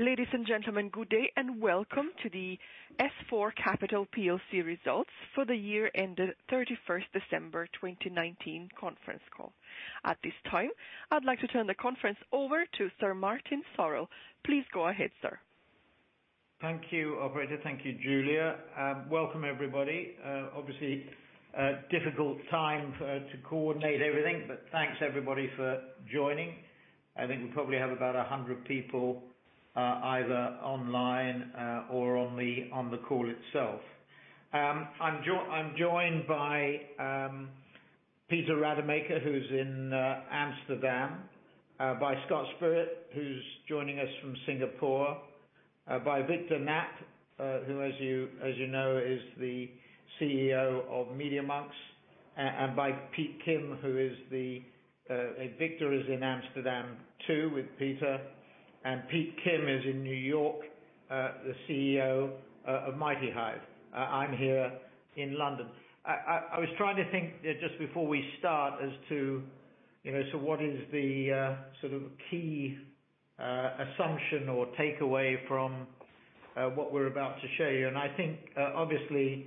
Ladies and gentlemen, good day and welcome to the S4 Capital plc results for the year ending 31st December 2019 conference call. At this time, I'd like to turn the conference over to Sir Martin Sorrell. Please go ahead, sir. Thank you, operator. Thank you, Julian. Welcome everybody. Obviously, a difficult time to coordinate everything, but thanks everybody for joining. I think we probably have about 100 people, either online or on the call itself. I'm joined by Peter Rademaker, who's in Amsterdam, by Scott Spirit, who's joining us from Singapore, by Victor Knaap, who as you know, is the CEO of Media.Monks, and by Pete Kim. Victor is in Amsterdam too, with Peter. Pete Kim is in New York, the CEO of MightyHive. I'm here in London. I was trying to think just before we start as to what is the key assumption or takeaway from what we're about to show you. I think, obviously,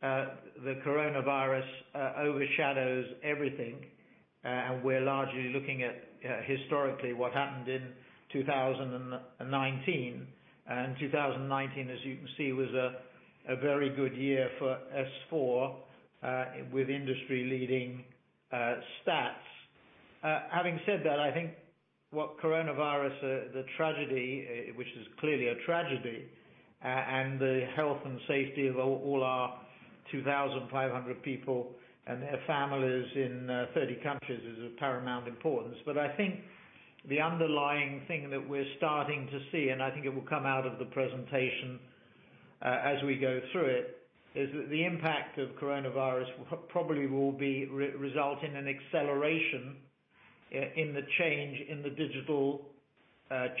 the coronavirus overshadows everything, and we're largely looking at historically what happened in 2019. 2019, as you can see, was a very good year for S4, with industry-leading stats. Having said that, I think what coronavirus, the tragedy, which is clearly a tragedy, and the health and safety of all our 2,500 people and their families in 30 countries is of paramount importance. I think the underlying thing that we're starting to see, and I think it will come out of the presentation as we go through it, is that the impact of coronavirus probably will result in an acceleration in the change in the digital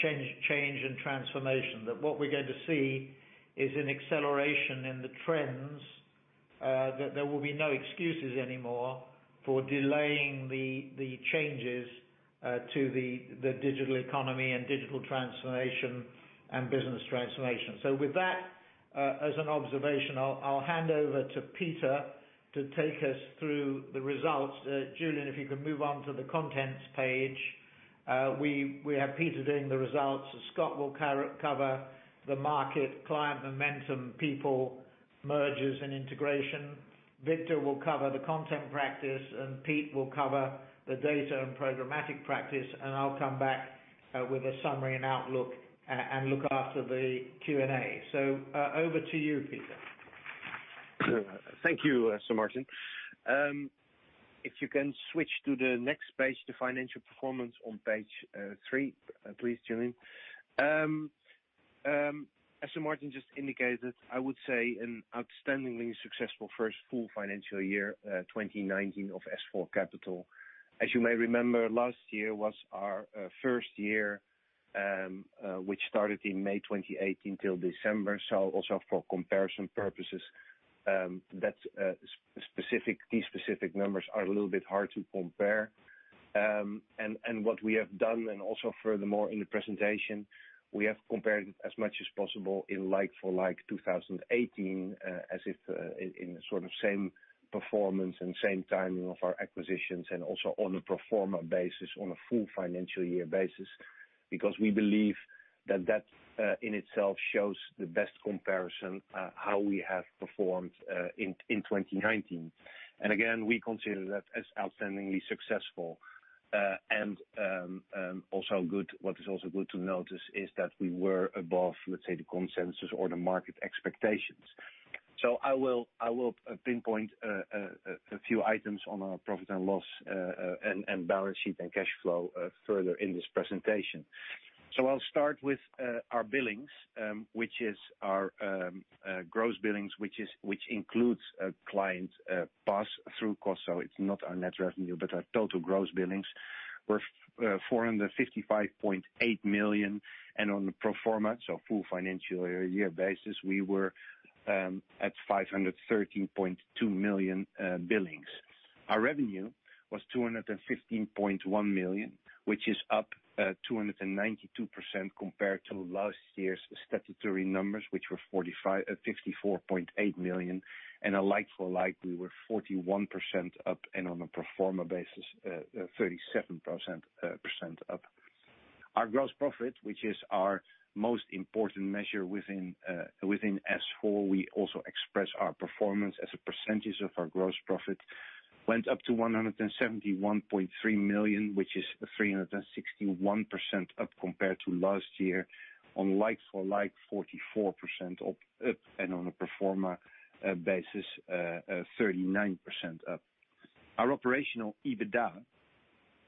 change and transformation. What we're going to see is an acceleration in the trends, that there will be no excuses anymore for delaying the changes to the digital economy and digital transformation and business transformation. With that, as an observation, I'll hand over to Peter to take us through the results. Julian, if you could move on to the contents page. We have Peter doing the results. Scott will cover the market, client momentum, people, mergers, and integration. Victor will cover the content practice, and Pete will cover the data and programmatic practice, and I'll come back with a summary and outlook, and look after the Q&A. Over to you, Peter. Thank you, Sir Martin. If you can switch to the next page, the financial performance on page three, please, Julian. As Sir Martin just indicated, I would say an outstandingly successful first full financial year, 2019, of S4 Capital. As you may remember, last year was our first year, which started in May 2018 till December. Also for comparison purposes, these specific numbers are a little bit hard to compare. What we have done, and also furthermore in the presentation, we have compared as much as possible in like for like 2018, as if in the same performance and same timing of our acquisitions, and also on a pro forma basis, on a full financial year basis. We believe that that in itself shows the best comparison, how we have performed in 2019. Again, we consider that as outstandingly successful. What is also good to notice is that we were above, let's say, the consensus or the market expectations. I will pinpoint a few items on our P&L, and balance sheet and cash flow, further in this presentation. I'll start with our billings, which is our gross billings, which includes a client pass-through cost. It's not our net revenue, but our total gross billings were 455.8 million. On the pro forma, so full financial year basis, we were at 513.2 million billings. Our revenue was 215.1 million, which is up 292% compared to last year's statutory numbers, which were 64.8 million. A like for like, we were 41% up, and on a pro forma basis, 37% up. Our gross profit, which is our most important measure within S4, we also express our performance as a percentage of our gross profit, went up to 171.3 million, which is 361% up compared to last year. On like for like, 44% up, and on a pro forma basis, 39% up. Our operational EBITDA,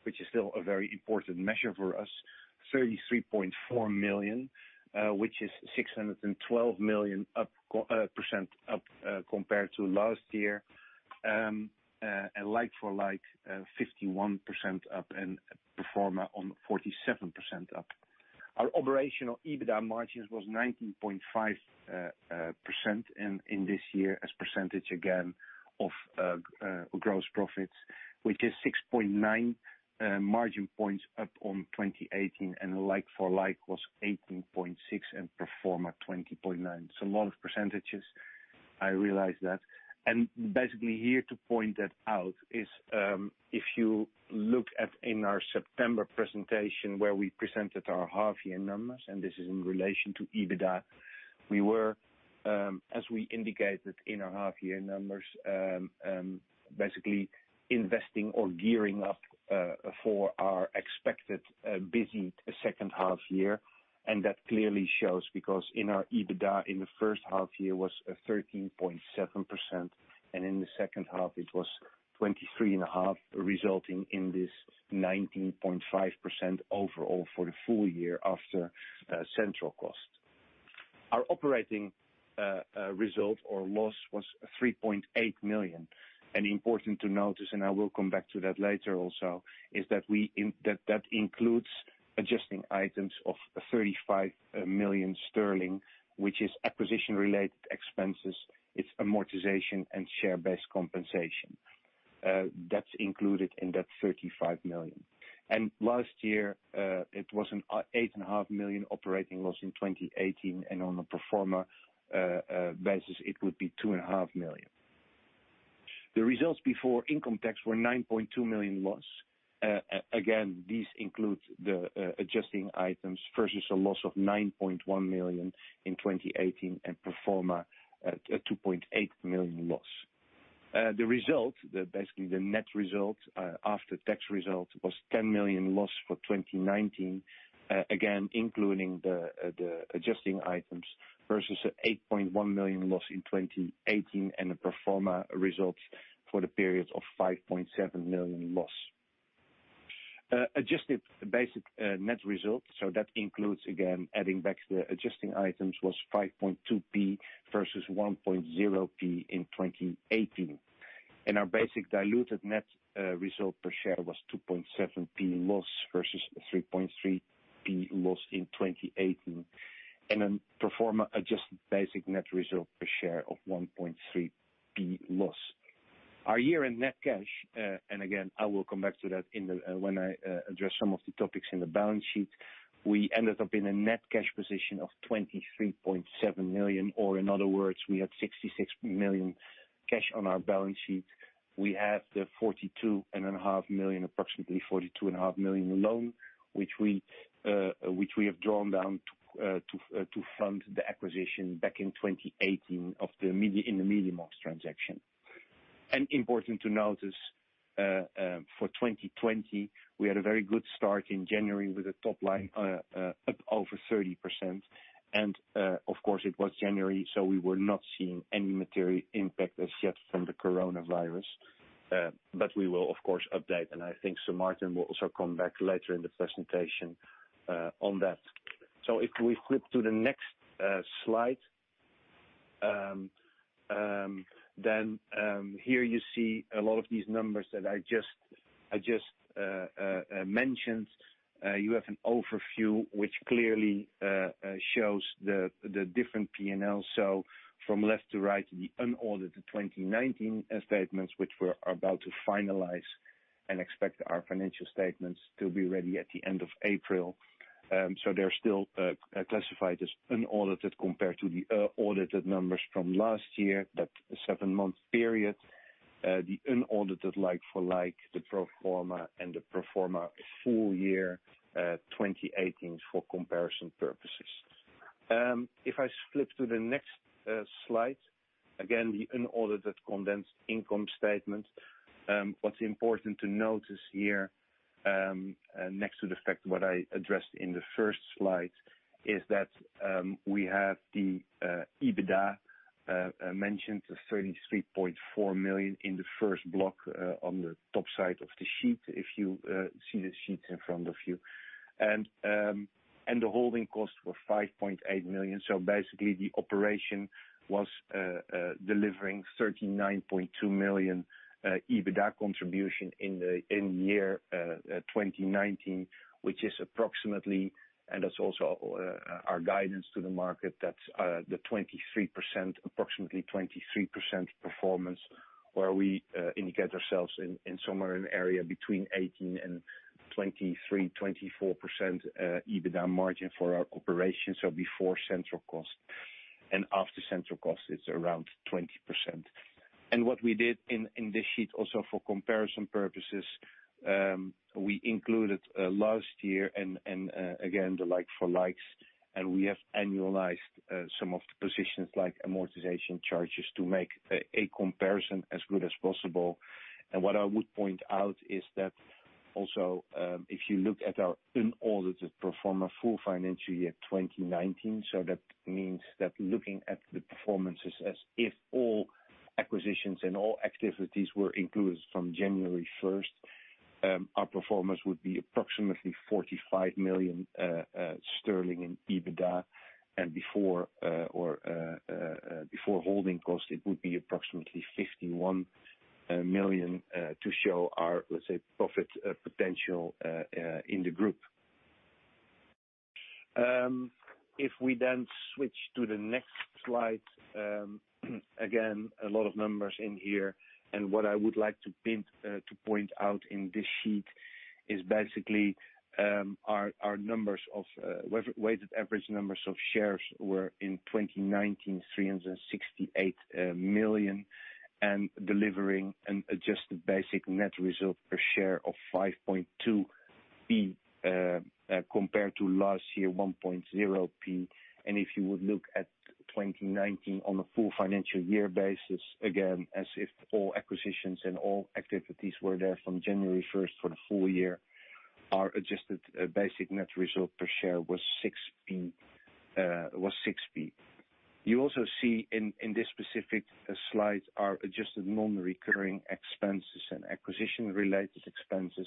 which is still a very important measure for us, 33.4 million, which is 612% up compared to last year. Like for like, 51% up, and pro forma on 47% up. Our operational EBITDA margins was 19.5% in this year as percentage again of gross profits, which is 6.9 margin points up on 2018, and like for like was 18.6% and pro forma 20.9%. A lot of percentages. I realize that. Basically here to point that out is, if you look at in our September presentation where we presented our half year numbers, this is in relation to EBITDA, we were, as we indicated in our half year numbers, basically investing or gearing up for our expected busy second half year. That clearly shows because in our EBITDA in the first half year was 13.7%, in the second half it was 23.5%, resulting in this 19.5% overall for the full year after central cost. Our operating result or loss was 3.8 million. Important to notice, I will come back to that later also, is that includes adjusting items of 35 million sterling, which is acquisition related expenses. It's amortization and share-based compensation. That's included in that 35 million. Last year, it was a eight and a half million operating loss in 2018. On a pro forma basis, it would be two and a half million. The results before income tax were 9.2 million loss. These include the adjusting items versus a loss of 9.1 million in 2018 and pro forma, a 2.8 million loss. The result, basically the net result, after tax result, was 10 million loss for 2019. Including the adjusting items, versus 8.1 million loss in 2018 and the pro forma results for the period of 5.7 million loss. Adjusted basic net result, so that includes, again, adding back the adjusting items, was 5.2p versus 1.0p in 2018. Our basic diluted net result per share was 2.7p loss versus 3.3p loss in 2018. A pro forma adjusted basic net result per share of 1.3p loss. Our year-end net cash, again, I will come back to that when I address some of the topics in the balance sheet. We ended up in a net cash position of 23.7 million, or in other words, we had 66 million cash on our balance sheet. We had approximately 42 and a half million loan, which we have drawn down to fund the acquisition back in 2018 in the Media.Monks transaction. Important to notice for 2020, we had a very good start in January with the top line up over 30%. Of course it was January, so we were not seeing any material impact as yet from the coronavirus. We will, of course, update, and I think Sir Martin will also come back later in the presentation on that. If we flip to the next slide. Here you see a lot of these numbers that I just mentioned. You have an overview, which clearly shows the different P&L. From left to right, the unaudited 2019 statements, which we're about to finalize and expect our financial statements to be ready at the end of April. They're still classified as unaudited compared to the audited numbers from last year. That seven-month period, the unaudited like for like, the pro forma and the pro forma full year 2018 for comparison purposes. If I flip to the next slide, again, the unaudited condensed income statement. What's important to notice here, next to the fact what I addressed in the first slide, is that we have the EBITDA mentioned, the 33.4 million in the first block on the top side of the sheet, if you see the sheets in front of you. The holding costs were 5.8 million. Basically, the operation was delivering 39.2 million EBITDA contribution in the year 2019, which is approximately, and that's also our guidance to the market, that's approximately 23% performance, where we indicate ourselves in somewhere in the area between 18% and 23%, 24% EBITDA margin for our operation. Before central cost and after central cost, it's around 20%. What we did in this sheet also for comparison purposes, we included last year and again, the like for likes, and we have annualized some of the positions like amortization charges to make a comparison as good as possible. What I would point out is that also, if you look at our unaudited pro forma full financial year 2019, so that means that looking at the performances as if all acquisitions and all activities were included from January 1st, our pro forma would be approximately 45 million sterling in EBITDA. Before holding cost, it would be approximately 51 million to show our profit potential in the group. We then switch to the next slide. Again, a lot of numbers in here. What I would like to point out in this sheet is basically our weighted average numbers of shares were in 2019, 368 million, and delivering an adjusted basic net result per share of 0.052, compared to last year, 0.010. If you would look at 2019 on a full financial year basis, again, as if all acquisitions and all activities were there from January 1st for the full year, our adjusted basic net result per share was 0.06. You also see in this specific slide, our adjusted non-recurring expenses and acquisition related expenses,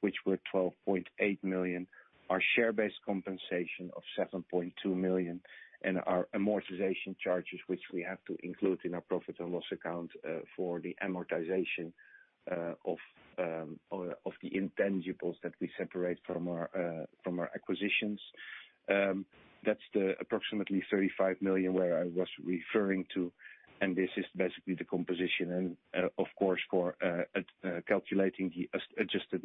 which were 12.8 million. Our share-based compensation of 7.2 million, and our amortization charges, which we have to include in our profit and loss account, for the amortization of the intangibles that we separate from our acquisitions. That's the approximately 35 million where I was referring to, and this is basically the composition. Of course, for calculating the adjusted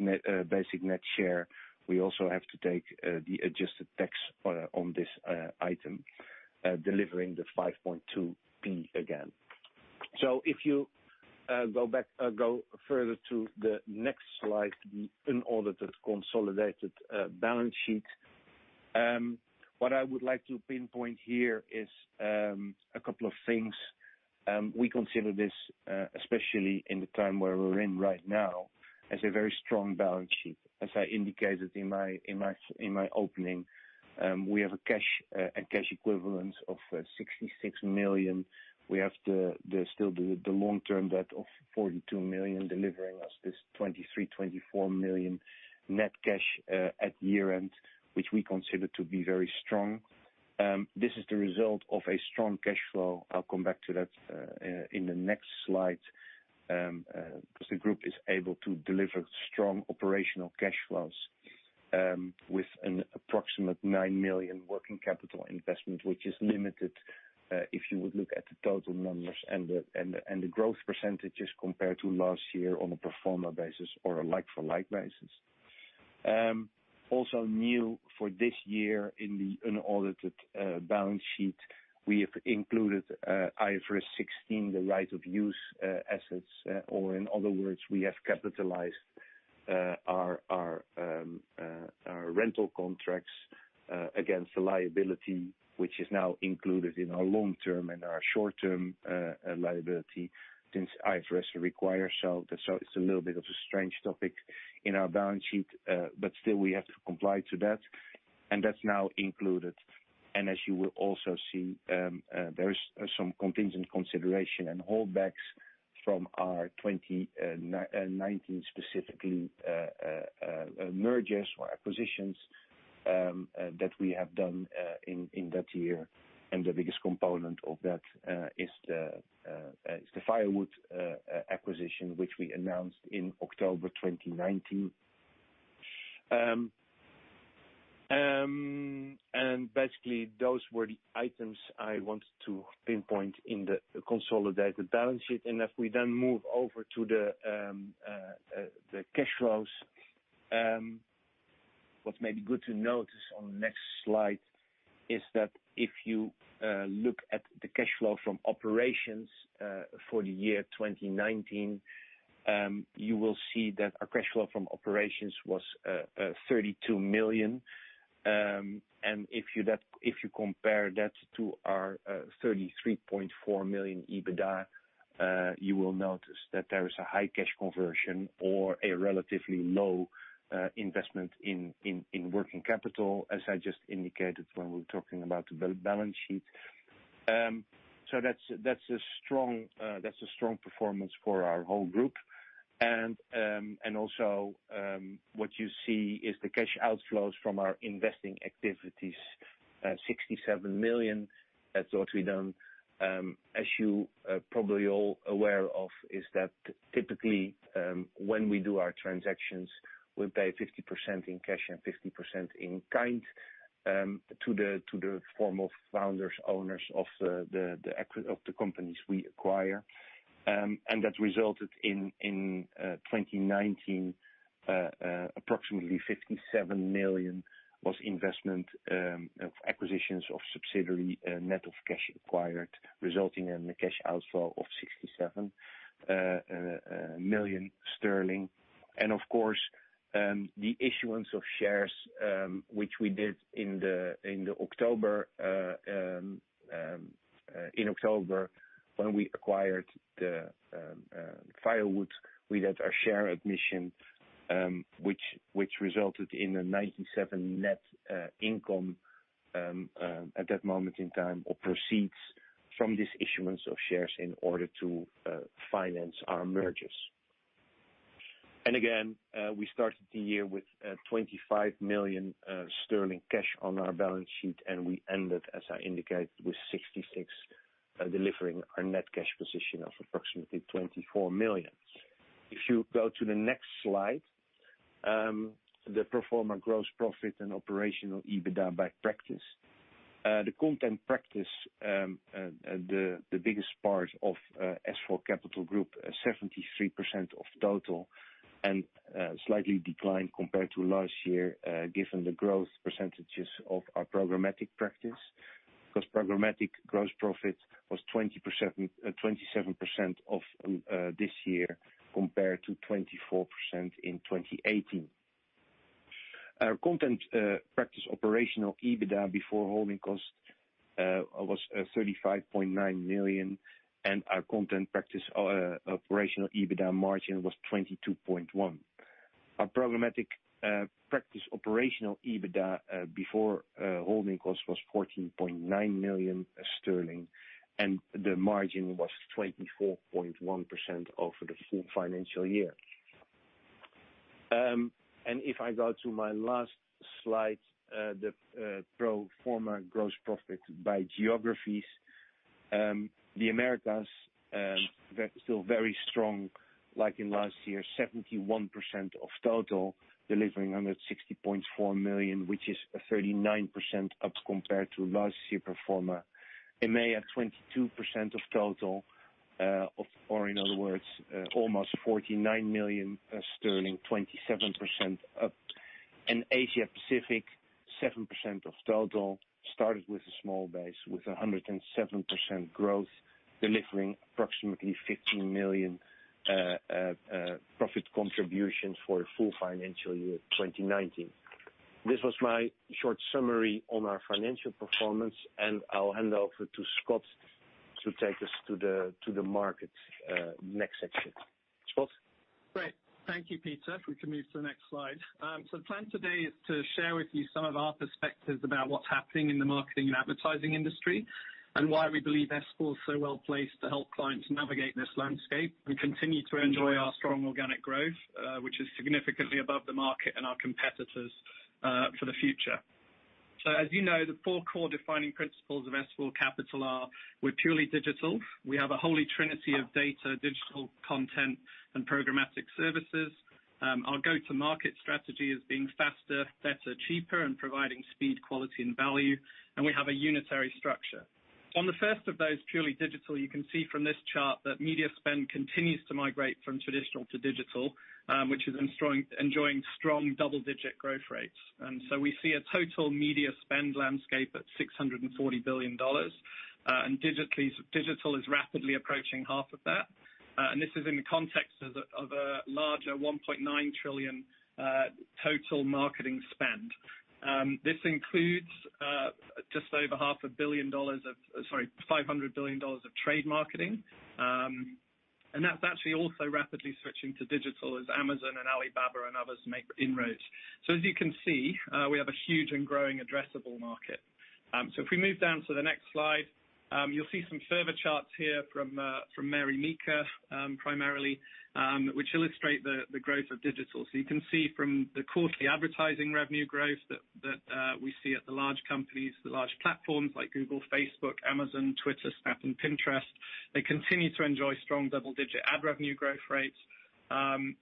basic net share, we also have to take the adjusted tax on this item, delivering the 0.052 again. If you go further to the next slide, the unaudited consolidated balance sheet. What I would like to pinpoint here is a couple of things. We consider this, especially in the time where we're in right now, as a very strong balance sheet. As I indicated in my opening, we have a cash equivalent of 66 million. We have still the long term debt of 42 million, delivering us this 23, 24 million net cash at year-end, which we consider to be very strong. This is the result of a strong cash flow. I'll come back to that in the next slide. The group is able to deliver strong operational cash flows, with an approximate 9 million working capital investment, which is limited, if you would look at the total numbers and the growth percentages compared to last year on a pro forma basis or a like-for-like basis. Also new for this year in the unaudited balance sheet, we have included IFRS 16, the right of use assets, or in other words, we have capitalized our rental contracts against the liability, which is now included in our long term and our short term liability, since IFRS requires so. It's a little bit of a strange topic in our balance sheet, but still we have to comply to that, and that's now included. As you will also see, there is some contingent consideration and holdbacks from our 2019 specifically, mergers or acquisitions that we have done in that year. The biggest component of that, is the Firewood acquisition, which we announced in October 2019. Basically those were the items I wanted to pinpoint in the consolidated balance sheet. If we then move over to the cash flows. What may be good to notice on the next slide is that if you look at the cash flow from operations for the year 2019, you will see that our cash flow from operations was 32 million. If you compare that to our 33.4 million EBITDA, you will notice that there is a high cash conversion or a relatively low investment in working capital, as I just indicated when we were talking about the balance sheet. That's a strong performance for our whole group. What you see is the cash outflows from our investing activities, 67 million. That's what we done. As you probably all aware of, is that typically, when we do our transactions, we pay 50% in cash and 50% in kind, to the former founders, owners of the companies we acquire. That resulted in 2019, approximately 57 million was investment of acquisitions of subsidiary net of cash acquired, resulting in a cash outflow of 67 million sterling. Of course, the issuance of shares, which we did in October. In October when we acquired the Firewood, we did our share admission, which resulted in a 97 million net income, at that moment in time, or proceeds from this issuance of shares in order to finance our mergers. Again, we started the year with 25 million sterling cash on our balance sheet, and we ended, as I indicated, with 66 million, delivering our net cash position of approximately 24 million. If you go to the next slide, the pro forma gross profit and operational EBITDA by practice. The content practice, the biggest part of S4 Capital Group, 73% of total, and slightly declined compared to last year, given the growth percentage of our programmatic practice. Programmatic gross profit was 27% of this year, compared to 24% in 2018. Our content practice operational EBITDA before holding cost was 35.9 million, and our content practice operational EBITDA margin was 22.1%. Our programmatic practice operational EBITDA before holding cost was 14.9 million sterling, and the margin was 24.1% over the full financial year. If I go to my last slide, the pro forma gross profit by geographies. The Americas, still very strong like in last year, 71% of total, delivering 160.4 million, which is 39% up compared to last year pro forma. EMEA, 22% of total, or in other words, almost 49 million sterling, 27% up. Asia Pacific, 7% of total, started with a small base with 107% growth, delivering approximately 15 million profit contributions for full financial year 2019. This was my short summary on our financial performance, and I'll hand over to Scott to take us to the market next section. Scott? Great. Thank you, Peter. If we can move to the next slide. The plan today is to share with you some of our perspectives about what's happening in the marketing and advertising industry, and why we believe S4 is so well-placed to help clients navigate this landscape, and continue to enjoy our strong organic growth, which is significantly above the market and our competitors for the future. As you know, the four core defining principles of S4 Capital are, we're purely digital. We have a Holy Trinity of data, digital content, and programmatic services. Our go-to market strategy is being faster, better, cheaper, and providing speed, quality, and value. We have a unitary structure. On the first of those, purely digital, you can see from this chart that media spend continues to migrate from traditional to digital, which is enjoying strong double-digit growth rates. We see a total media spend landscape at $640 billion. Digital is rapidly approaching half of that. This is in the context of a larger $1.9 trillion total marketing spend. This includes just over $500 billion of trade marketing. That's actually also rapidly switching to digital as Amazon and Alibaba and others make inroads. As you can see, we have a huge and growing addressable market. If we move down to the next slide, you'll see some further charts here from Mary Meeker, primarily, which illustrate the growth of digital. You can see from the quarterly advertising revenue growth that we see at the large companies, the large platforms like Google, Facebook, Amazon, Twitter, Snap, and Pinterest, they continue to enjoy strong double-digit ad revenue growth rates.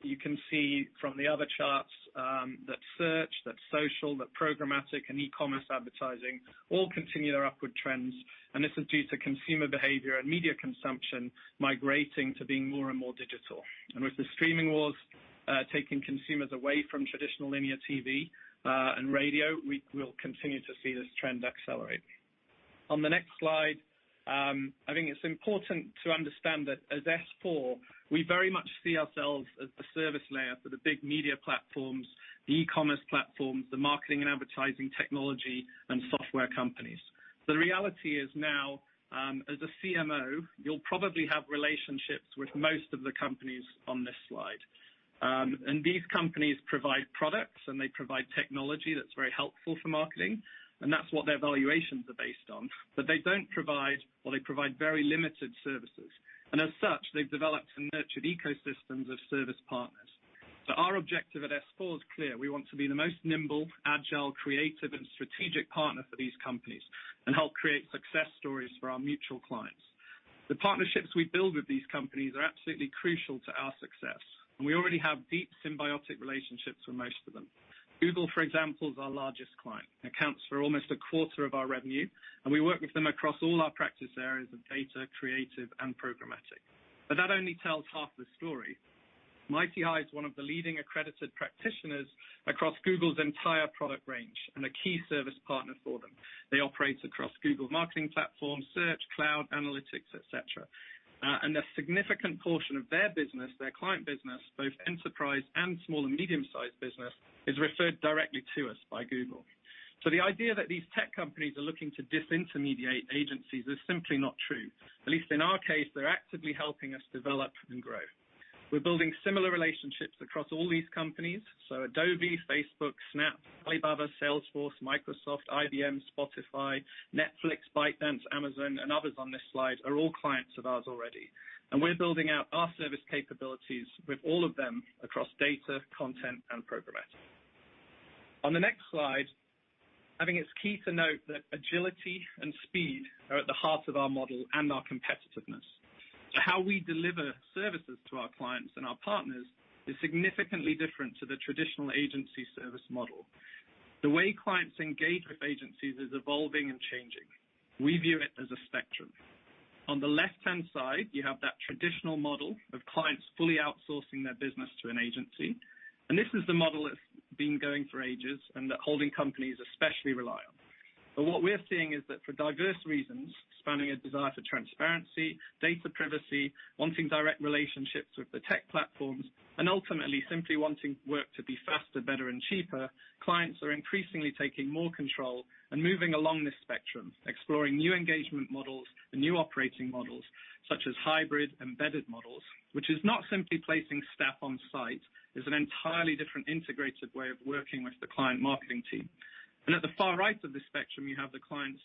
You can see from the other charts, that search, that social, that programmatic and e-commerce advertising all continue their upward trends, and this is due to consumer behavior and media consumption migrating to being more and more digital. With the streaming wars taking consumers away from traditional linear TV and radio, we will continue to see this trend accelerate. On the next slide, I think it's important to understand that as S4, we very much see ourselves as the service layer for the big media platforms, the e-commerce platforms, the marketing and advertising technology and software companies. The reality is now, as a CMO, you'll probably have relationships with most of the companies on this slide. These companies provide products and they provide technology that's very helpful for marketing, and that's what their valuations are based on. They don't provide, or they provide very limited services. As such, they've developed and nurtured ecosystems of service partners. Our objective at S4 is clear. We want to be the most nimble, agile, creative, and strategic partner for these companies and help create success stories for our mutual clients. The partnerships we build with these companies are absolutely crucial to our success, and we already have deep symbiotic relationships with most of them. Google, for example, is our largest client, accounts for almost a quarter of our revenue, and we work with them across all our practice areas of data, creative, and programmatic. That only tells half the story. MightyHive is one of the leading accredited practitioners across Google's entire product range and a key service partner for them. They operate across Google Marketing Platform, Search, Cloud, Analytics, et cetera. A significant portion of their business, their client business, both enterprise and small and medium-sized business, is referred directly to us by Google. The idea that these tech companies are looking to disintermediate agencies is simply not true. At least in our case, they're actively helping us develop and grow. We're building similar relationships across all these companies. Adobe, Facebook, Snap, Alibaba, Salesforce, Microsoft, IBM, Spotify, Netflix, ByteDance, Amazon, and others on this slide are all clients of ours already. We're building out our service capabilities with all of them across data, content, and programmatic. On the next slide, I think it's key to note that agility and speed are at the heart of our model and our competitiveness. How we deliver services to our clients and our partners is significantly different to the traditional agency service model. The way clients engage with agencies is evolving and changing. We view it as a spectrum. On the left-hand side, you have that traditional model of clients fully outsourcing their business to an agency. This is the model that's been going for ages and that holding companies especially rely on. What we're seeing is that for diverse reasons, spanning a desire for transparency, data privacy, wanting direct relationships with the tech platforms, and ultimately simply wanting work to be faster, better and cheaper, clients are increasingly taking more control and moving along this spectrum. Exploring new engagement models and new operating models such as hybrid embedded models, which is not simply placing staff on site. It's an entirely different integrated way of working with the client marketing team. At the far right of this spectrum, you have the clients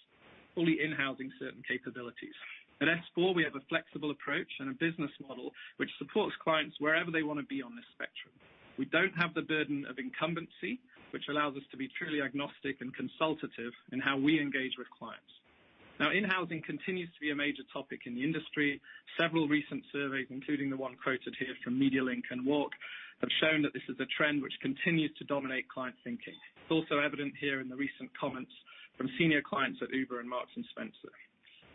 fully in-housing certain capabilities. At S4, we have a flexible approach and a business model which supports clients wherever they want to be on this spectrum. We don't have the burden of incumbency, which allows us to be truly agnostic and consultative in how we engage with clients. Now, in-housing continues to be a major topic in the industry. Several recent surveys, including the one quoted here from MediaLink and Warc, have shown that this is a trend which continues to dominate client thinking. It's also evident here in the recent comments from senior clients at Uber and Marks & Spencer.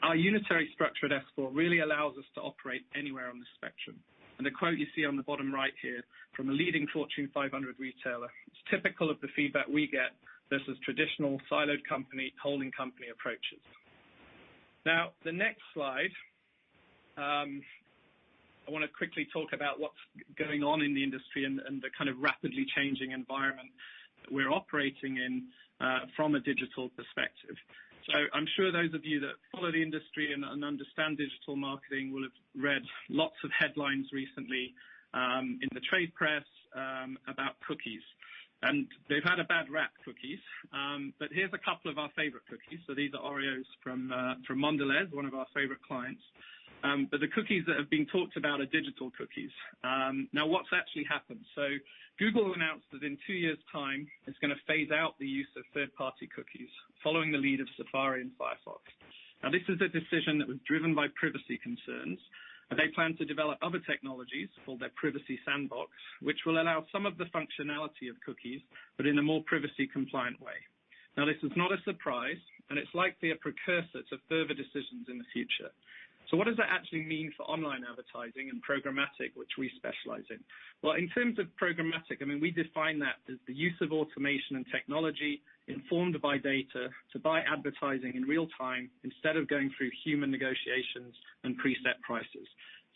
Our unitary structure at S4 really allows us to operate anywhere on this spectrum, the quote you see on the bottom right here, from a leading Fortune 500 retailer, it's typical of the feedback we get versus traditional siloed company, holding company approaches. The next slide, I want to quickly talk about what's going on in the industry and the kind of rapidly changing environment that we're operating in, from a digital perspective. I'm sure those of you that follow the industry and understand digital marketing will have read lots of headlines recently, in the trade press, about cookies. They've had a bad rap, cookies. Here's a couple of our favorite cookies. These are Oreos from Mondelēz, one of our favorite clients. The cookies that have been talked about are digital cookies. What's actually happened? Google announced that in two years' time, it's going to phase out the use of third-party cookies following the lead of Safari and Firefox. This is a decision that was driven by privacy concerns, and they plan to develop other technologies, called their Privacy Sandbox, which will allow some of the functionality of cookies, but in a more privacy compliant way. This is not a surprise, and it's likely a precursor to further decisions in the future. What does that actually mean for online advertising and programmatic, which we specialize in? Well, in terms of programmatic, we define that as the use of automation and technology, informed by data, to buy advertising in real time instead of going through human negotiations and preset prices.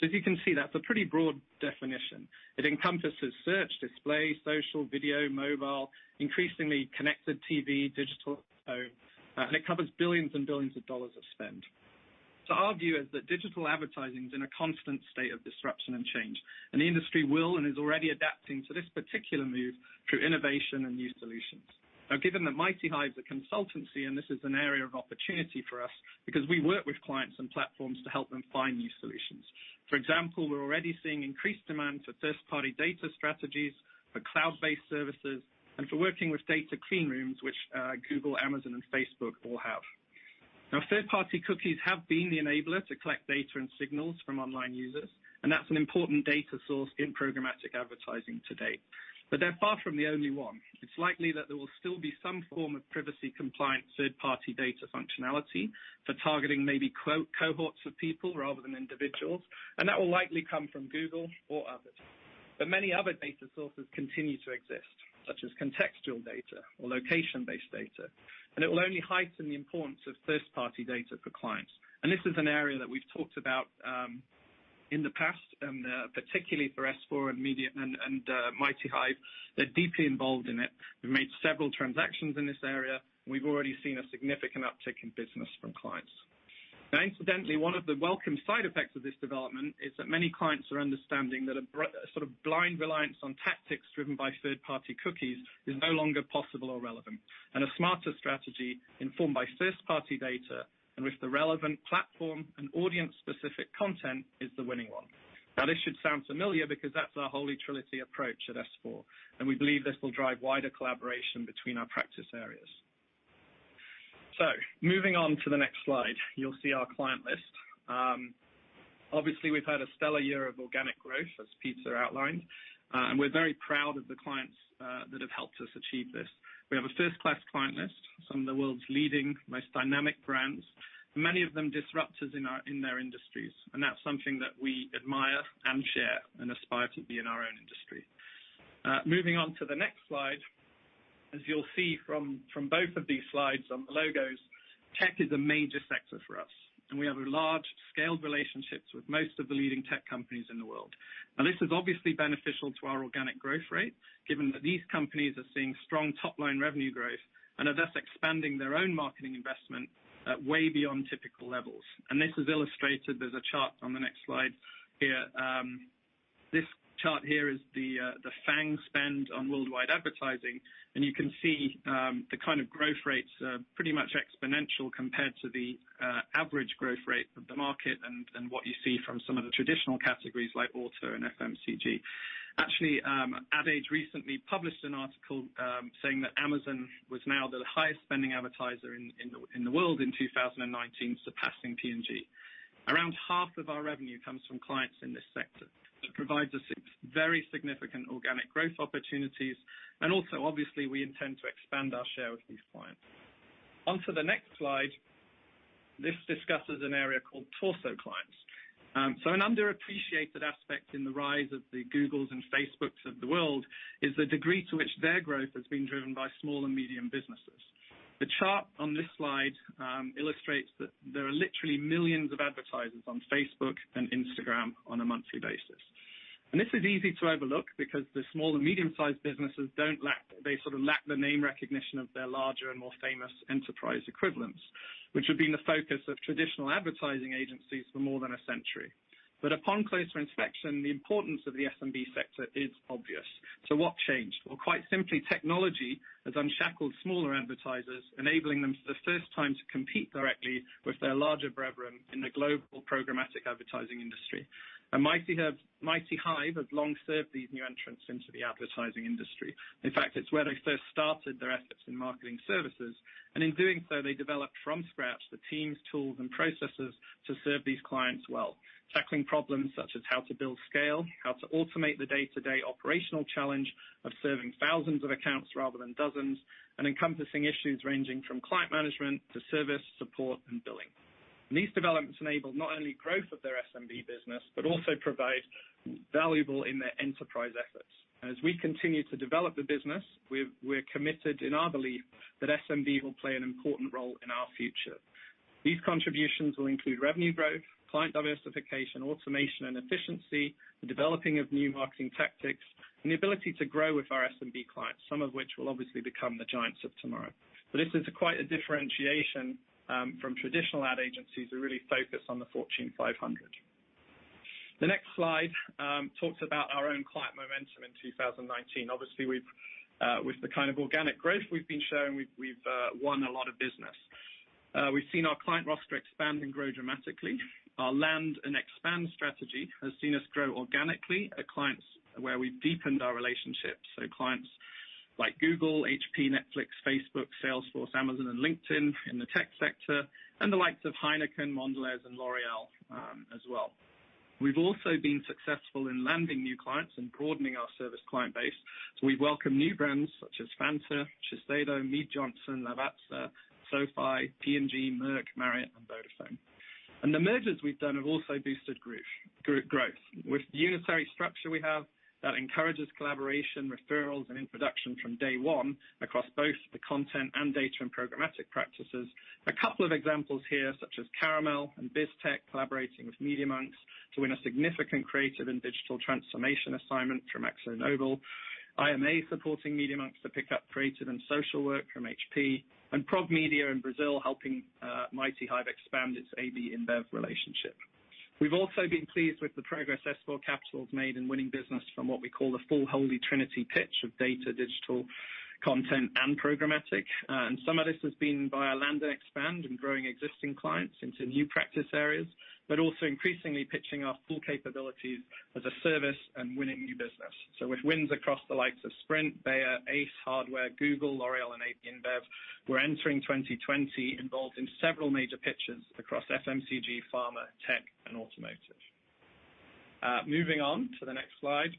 As you can see, that's a pretty broad definition. It encompasses search, display, social, video, mobile, increasingly connected TV, digital out-of-home, and it covers billions and billions of dollars of spend. Our view is that digital advertising is in a constant state of disruption and change, and the industry will and is already adapting to this particular move through innovation and new solutions. Given that MightyHive is a consultancy, and this is an area of opportunity for us because we work with clients and platforms to help them find new solutions. For example, we're already seeing increased demand for first party data strategies, for cloud-based services, and for working with data clean rooms, which Google, Amazon and Facebook all have now. Third-party cookies have been the enabler to collect data and signals from online users, and that's an important data source in programmatic advertising to date. They're far from the only one. It's likely that there will still be some form of privacy compliant third party data functionality for targeting maybe cohorts of people rather than individuals. That will likely come from Google or others. Many other data sources continue to exist, such as contextual data or location-based data, and it will only heighten the importance of first party data for clients. This is an area that we've talked about in the past, and particularly for S4 and MightyHive. They're deeply involved in it. We've made several transactions in this area, and we've already seen a significant uptick in business from clients. Incidentally, one of the welcome side effects of this development is that many clients are understanding that a sort of blind reliance on tactics driven by third party cookies is no longer possible or relevant, and a smarter strategy informed by first party data and with the relevant platform and audience specific content is the winning one. This should sound familiar because that's our holy trinity approach at S4, and we believe this will drive wider collaboration between our practice areas. Moving on to the next slide, you'll see our client list. Obviously, we've had a stellar year of organic growth as Peter outlined, and we're very proud of the clients that have helped us achieve this. We have a first class client list, some of the world's leading, most dynamic brands, many of them disruptors in their industries, and that's something that we admire and share and aspire to be in our own industry. Moving on to the next slide. As you'll see from both of these slides on the logos, tech is a major sector for us, and we have large scaled relationships with most of the leading tech companies in the world. This is obviously beneficial to our organic growth rate, given that these companies are seeing strong top line revenue growth and are thus expanding their own marketing investment way beyond typical levels. This is illustrated, there's a chart on the next slide here. This chart here is the FAANG spend on worldwide advertising. You can see the kind of growth rates are pretty much exponential compared to the average growth rate of the market and what you see from some of the traditional categories like auto and FMCG. Ad Age recently published an article saying that Amazon was now the highest spending advertiser in the world in 2019, surpassing P&G. Around half of our revenue comes from clients in this sector. It provides us very significant organic growth opportunities, and also, obviously, we intend to expand our share with these clients. Onto the next slide. This discusses an area called torso clients. An underappreciated aspect in the rise of the Googles and Facebooks of the world is the degree to which their growth has been driven by small and medium businesses. The chart on this slide illustrates that there are literally millions of advertisers on Facebook and Instagram on a monthly basis. This is easy to overlook because the small and medium-sized businesses sort of lack the name recognition of their larger and more famous enterprise equivalents, which have been the focus of traditional advertising agencies for more than a century. Upon closer inspection, the importance of the SMB sector is obvious. What changed? Well, quite simply, technology has unshackled smaller advertisers, enabling them, for the first time, to compete directly with their larger brethren in the global programmatic advertising industry. MightyHive have long served these new entrants into the advertising industry. In fact, it’s where they first started their efforts in marketing services. In doing so, they developed from scratch the teams, tools, and processes to serve these clients well, tackling problems such as how to build scale, how to automate the day-to-day operational challenge of serving thousands of accounts rather than dozens, and encompassing issues ranging from client management to service, support, and billing. These developments enabled not only growth of their SMB business, but also provided valuable in their enterprise efforts. As we continue to develop the business, we’re committed in our belief that SMB will play an important role in our future. These contributions will include revenue growth, client diversification, automation and efficiency, the developing of new marketing tactics, and the ability to grow with our SMB clients, some of which will obviously become the giants of tomorrow. This is quite a differentiation from traditional ad agencies who really focus on the Fortune 500. The next slide talks about our own client momentum in 2019. Obviously, with the kind of organic growth we've been showing, we've won a lot of business. We've seen our client roster expand and grow dramatically. Our land and expand strategy has seen us grow organically at clients where we've deepened our relationships. Clients like Google, HP, Netflix, Facebook, Salesforce, Amazon, and LinkedIn in the tech sector, and the likes of Heineken, Mondelēz, and L'Oreal, as well. We've also been successful in landing new clients and broadening our service client base. We welcome new brands such as Fanta, Shiseido, Mead Johnson, Lavazza, SoFi, P&G, Merck, Marriott, and Vodafone. The mergers we've done have also boosted group growth. With the unitary structure we have that encourages collaboration, referrals, and introduction from day one across both the content and data and programmatic practices. A couple of examples here, such as Caramel and BizTech, collaborating with Media.Monks to win a significant creative and digital transformation assignment from ExxonMobil, IMA supporting Media.Monks to pick up creative and social work from HP, and ProgMedia in Brazil, helping MightyHive expand its AB InBev relationship. We've also been pleased with the progress S4 Capital has made in winning business from what we call the full holy trinity pitch of data, digital content, and programmatic. Some of this has been via land and expand and growing existing clients into new practice areas, but also increasingly pitching our full capabilities as a service and winning new business. With wins across the likes of Sprint, Bayer, Ace Hardware, Google, L'Oreal, and AB InBev, we're entering 2020 involved in several major pitches across FMCG, pharma, tech, and automotive. Moving on to the next slide.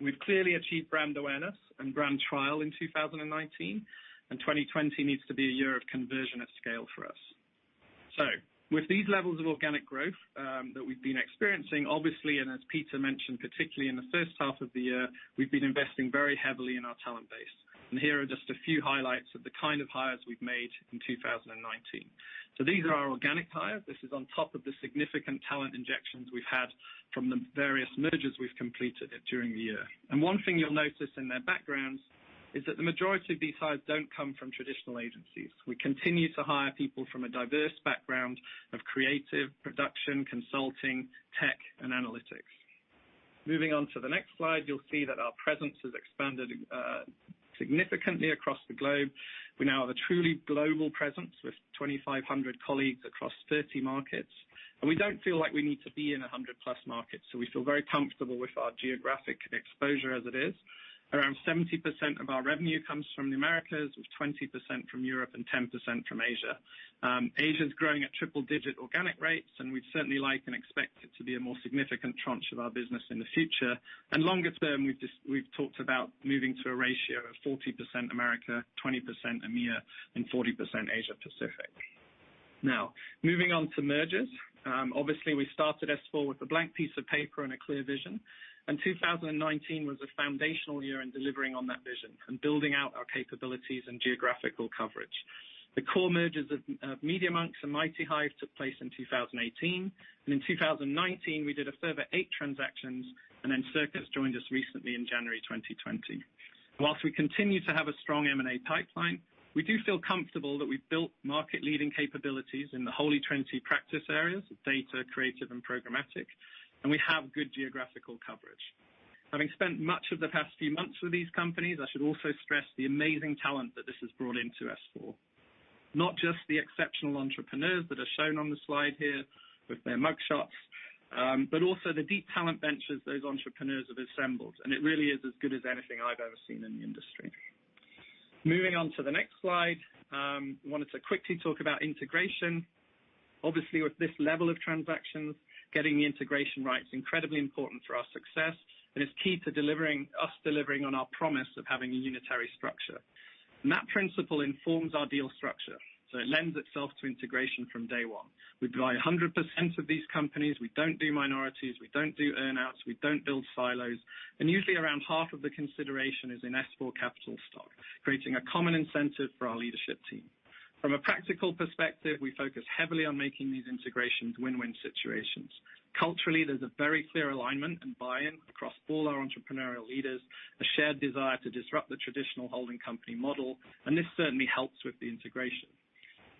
We've clearly achieved brand awareness and brand trial in 2019, and 2020 needs to be a year of conversion at scale for us. With these levels of organic growth that we've been experiencing, obviously, and as Peter mentioned, particularly in the first half of the year, we've been investing very heavily in our talent base. Here are just a few highlights of the kind of hires we've made in 2019. These are our organic hires. This is on top of the significant talent injections we've had from the various mergers we've completed during the year. One thing you'll notice in their backgrounds is that the majority of these hires don't come from traditional agencies. We continue to hire people from a diverse background of creative, production, consulting, tech, and analytics. Moving on to the next slide, you'll see that our presence has expanded significantly across the globe. We now have a truly global presence with 2,500 colleagues across 30 markets. We don't feel like we need to be in 100+ markets, so we feel very comfortable with our geographic exposure as it is. Around 70% of our revenue comes from the Americas, with 20% from Europe and 10% from Asia. Asia is growing at triple-digit organic rates, and we'd certainly like and expect it to be a more significant tranche of our business in the future. Longer term, we've talked about moving to a ratio of 40% America, 20% EMEA, and 40% Asia-Pacific. Moving on to mergers. Obviously, we started S4 with a blank piece of paper and a clear vision, and 2019 was a foundational year in delivering on that vision and building out our capabilities and geographical coverage. The core mergers of Media.Monks and MightyHive took place in 2018, and in 2019, we did a further eight transactions, and then Circus joined us recently in January 2020. Whilst we continue to have a strong M&A pipeline, we do feel comfortable that we've built market-leading capabilities in the holy trinity practice areas of data, creative, and programmatic, and we have good geographical coverage. Having spent much of the past few months with these companies, I should also stress the amazing talent that this has brought into S4. Not just the exceptional entrepreneurs that are shown on the slide here with their mugshots, but also the deep talent benches those entrepreneurs have assembled. It really is as good as anything I've ever seen in the industry. Moving on to the next slide, I wanted to quickly talk about integration. Obviously, with this level of transactions, getting the integration right is incredibly important for our success and is key to us delivering on our promise of having a unitary structure. That principle informs our deal structure, it lends itself to integration from day one. We buy 100% of these companies. We don't do minorities, we don't do earn-outs, we don't build silos. Usually around half of the consideration is in S4 Capital stock, creating a common incentive for our leadership team. From a practical perspective, we focus heavily on making these integrations win-win situations. Culturally, there's a very clear alignment and buy-in across all our entrepreneurial leaders, a shared desire to disrupt the traditional holding company model. This certainly helps with the integration.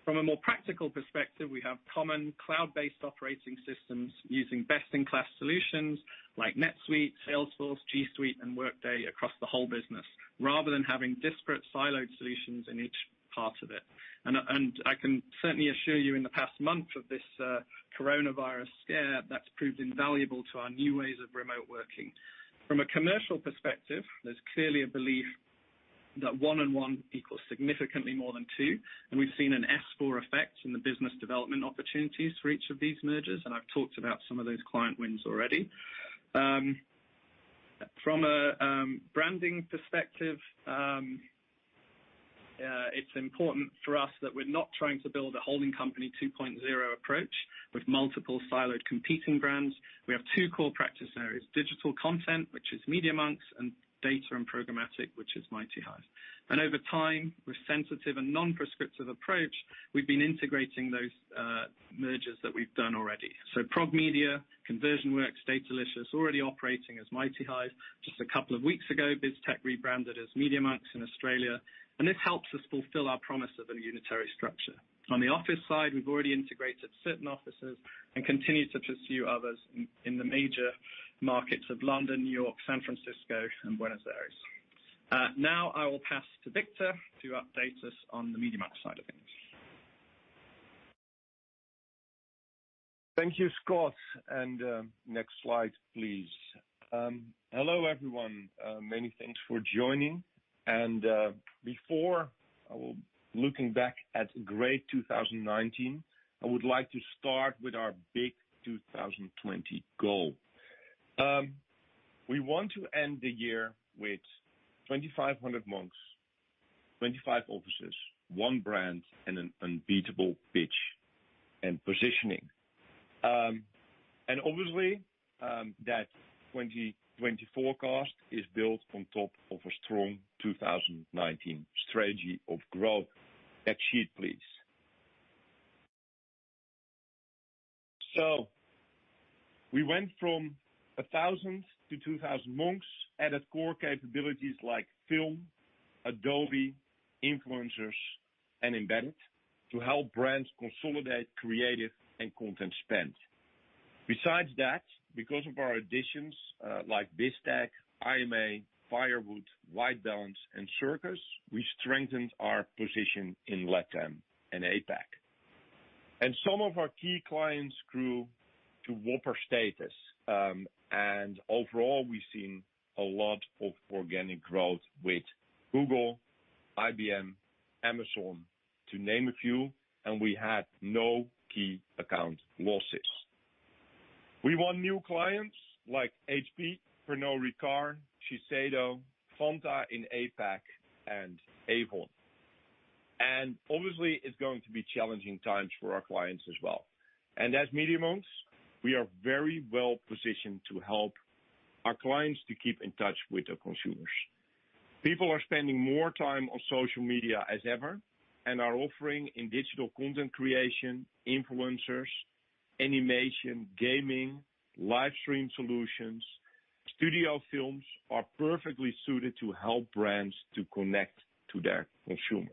From a more practical perspective, we have common cloud-based operating systems using best-in-class solutions like NetSuite, Salesforce, G Suite, and Workday across the whole business, rather than having disparate siloed solutions in each part of it. I can certainly assure you in the past month of this coronavirus scare, that's proved invaluable to our new ways of remote working. From a commercial perspective, there's clearly a belief that one and one equals significantly more than two, and we've seen an S4 effect in the business development opportunities for each of these mergers, and I've talked about some of those client wins already. From a branding perspective, it's important for us that we're not trying to build a holding company 2.0 approach with multiple siloed competing brands. We have two core practice areas, digital content, which is Media.Monks, and data and programmatic, which is MightyHive. Over time, with sensitive and non-prescriptive approach, we've been integrating those mergers that we've done already. ProgMedia, ConversionWorks, Datalicious already operating as MightyHive. Just a couple of weeks ago, BizTech rebranded as Media.Monks in Australia, and this helps us fulfill our promise of a unitary structure. On the office side, we've already integrated certain offices and continue to pursue others in the major markets of London, New York, San Francisco, and Buenos Aires. I will pass to Victor to update us on the Media.Monks side of things. Thank you, Scott. Next slide, please. Hello, everyone. Many thanks for joining, and before looking back at great 2019, I would like to start with our big 2020 goal. We want to end the year with 2,500 Monks, 25 offices, one brand, and an unbeatable pitch and positioning. Obviously, that 2020 forecast is built on top of a strong 2019 strategy of growth. Next sheet, please. We went from 1,000 to 2,000 Monks, added core capabilities like film, Adobe, influencers, and embedded to help brands consolidate creative and content spend. Besides that, because of our additions, like BizTech, IMA, Firewood, WhiteBalance, and Circus, we strengthened our position in LATAM and APAC. Some of our key clients grew to Whopper status. Overall, we've seen a lot of organic growth with Google, IBM, Amazon, to name a few, and we had no key account losses. We won new clients like HP, Pernod Ricard, Shiseido, Fanta in APAC, and Avon. Obviously, it's going to be challenging times for our clients as well. As Media.Monks, we are very well positioned to help our clients to keep in touch with their consumers. People are spending more time on social media as ever and our offering in digital content creation, influencers, animation, gaming, live stream solutions, studio films are perfectly suited to help brands to connect to their consumers.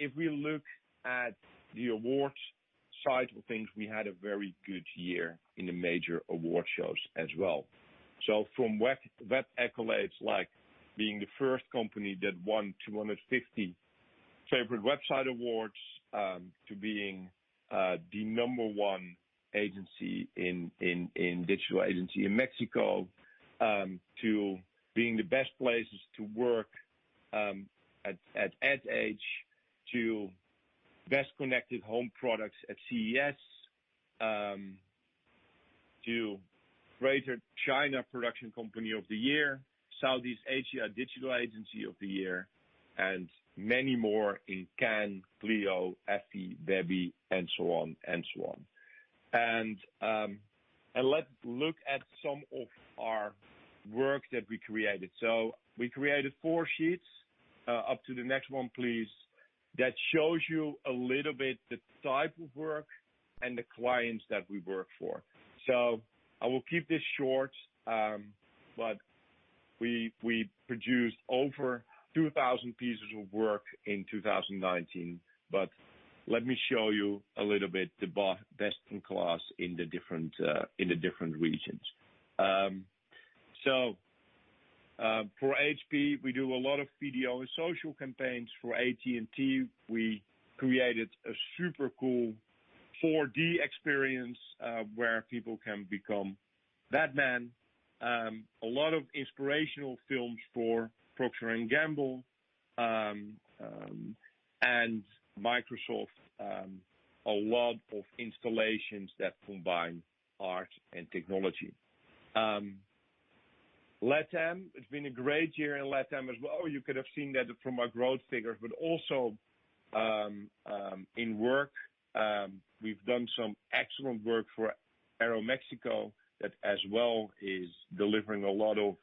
If we look at the awards side of things, we had a very good year in the major award shows as well. From web accolades, like being the first company that won 250 Favorite Website Awards, to being the number one digital agency in Mexico, to being the best places to work, at Ad Age, to Best Connected Home Products at CES, to Greater China Production Company of the Year, Southeast Asia Digital Agency of the Year, and many more in Cannes, Clio, Effie, Webby, and so on and so on. Let's look at some of our work that we created. We created four sheets, up to the next one, please, that shows you a little bit the type of work and the clients that we work for. I will keep this short, but we produced over 2,000 pieces of work in 2019. Let me show you a little bit the best in class in the different regions. For HP, we do a lot of video and social campaigns. For AT&T, we created a super cool 4D experience where people can become Batman. A lot of inspirational films for Procter & Gamble, and Microsoft, a lot of installations that combine art and technology. LATAM, it's been a great year in LATAM as well. You could have seen that from our growth figures, but also in work, we've done some excellent work for Aeroméxico that as well is delivering a lot of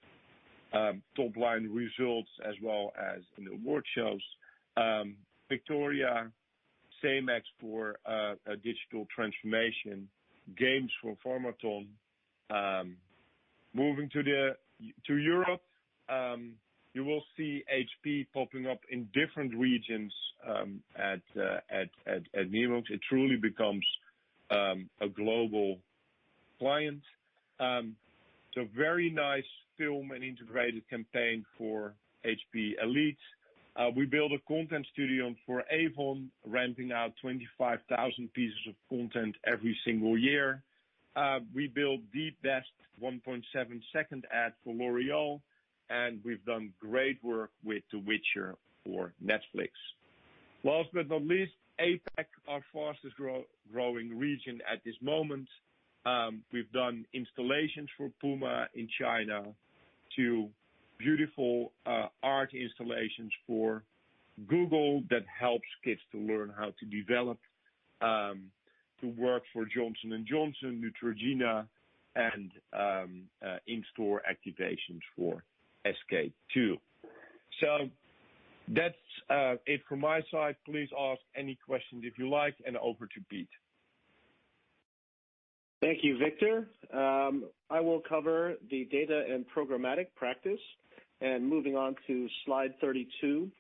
top-line results as well as in award shows. Victoria, Cemex for a digital transformation, games for Pharmaton. Moving to Europe, you will see HP popping up in different regions at EMEA. It truly becomes a global client. Very nice film and integrated campaign for HP Elite. We build a content studio for Avon, ramping out 25,000 pieces of content every single year. We build the best 1.7-second ad for L'Oreal, and we've done great work with "The Witcher" for Netflix. Last but not least, APAC, our fastest growing region at this moment. We've done installations for Puma in China, to beautiful art installations for Google that helps kids to learn how to develop, to work for Johnson & Johnson, Neutrogena, and in-store activations for SK-II. That's it from my side. Please ask any questions if you like, and over to Pete. Thank you, Victor. I will cover the data and programmatic practice and moving on to slide 32.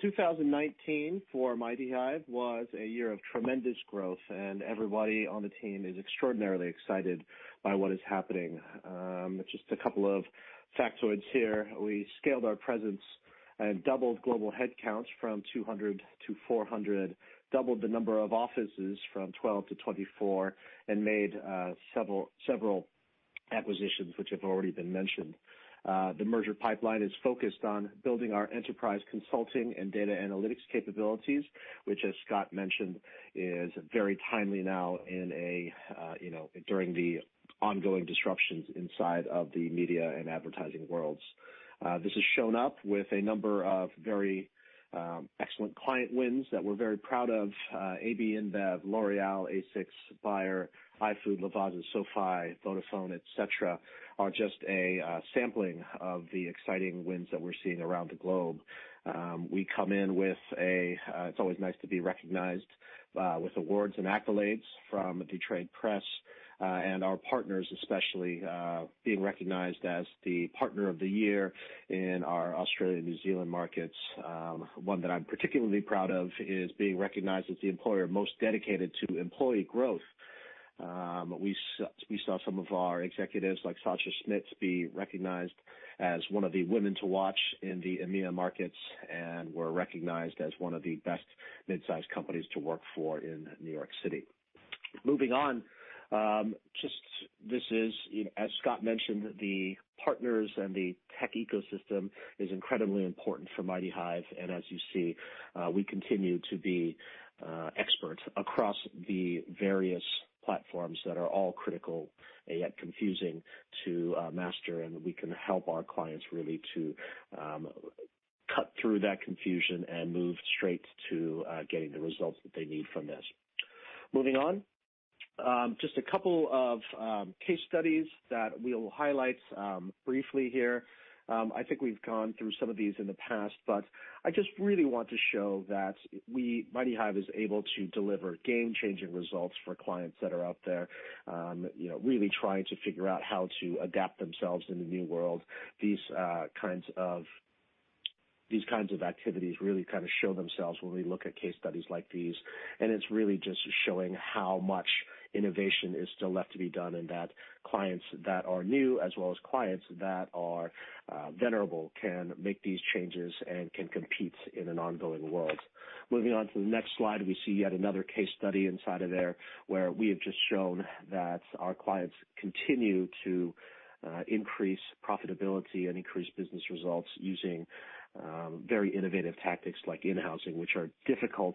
2019 for MightyHive was a year of tremendous growth, and everybody on the team is extraordinarily excited by what is happening. Just a couple of factoids here. We scaled our presence and doubled global headcounts from 200 to 400, doubled the number of offices from 12 to 24, and made several acquisitions, which have already been mentioned. The merger pipeline is focused on building our enterprise consulting and data analytics capabilities, which, as Scott mentioned, is very timely now during the ongoing disruptions inside of the media and advertising worlds. This has shown up with a number of very excellent client wins that we're very proud of. AB InBev, L'Oreal, ASICS, Bayer, iFood, Lavazza, SoFi, Vodafone, et cetera, are just a sampling of the exciting wins that we're seeing around the globe. We come in with it's always nice to be recognized with awards and accolades from the trade press, and our partners especially, being recognized as the partner of the year in our Australia-New Zealand markets. One that I'm particularly proud of is being recognized as the employer most dedicated to employee growth. We saw some of our executives, like Sasha Schmitz, be recognized as one of the women to watch in the EMEA markets, and we're recognized as one of the best midsize companies to work for in New York City. Moving on, as Scott mentioned, the partners and the tech ecosystem is incredibly important for MightyHive. As you see, we continue to be experts across the various platforms that are all critical, yet confusing to master. We can help our clients really to cut through that confusion and move straight to getting the results that they need from this. Moving on, just a couple of case studies that we'll highlight briefly here. I think we've gone through some of these in the past. I just really want to show that MightyHive is able to deliver game-changing results for clients that are out there really trying to figure out how to adapt themselves in the new world. These kinds of activities really show themselves when we look at case studies like these. It's really just showing how much innovation is still left to be done and that clients that are new as well as clients that are venerable can make these changes and can compete in an ongoing world. Moving on to the next slide, we see yet another case study inside of there where we have just shown that our clients continue to increase profitability and increase business results using very innovative tactics like in-housing, which are difficult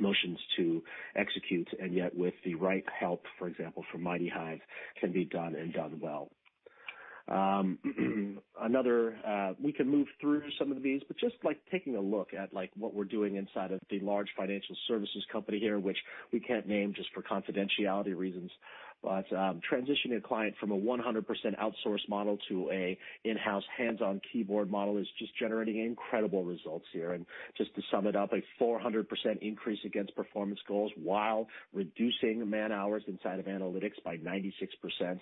motions to execute, and yet with the right help, for example, from MightyHive, can be done and done well. We can move through some of these, just like taking a look at what we're doing inside of the large financial services company here, which we can't name just for confidentiality reasons. Transitioning a client from a 100% outsource model to a in-house hands-on keyboard model is just generating incredible results here. Just to sum it up, a 400% increase against performance goals while reducing man-hours inside of analytics by 96%.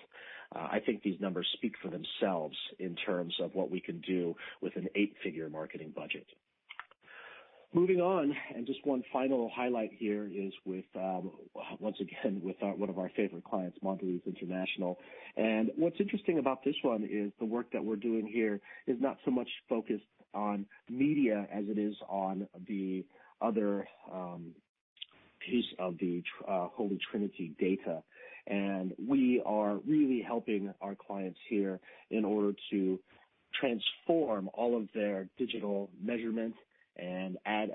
I think these numbers speak for themselves in terms of what we can do with an eight-figure marketing budget. Moving on, just one final highlight here is, once again, with one of our favorite clients, Mondelēz International. What's interesting about this one is the work that we're doing here is not so much focused on media as it is on the other piece of the holy trinity data. We are really helping our clients here in order to transform all of their digital measurements and add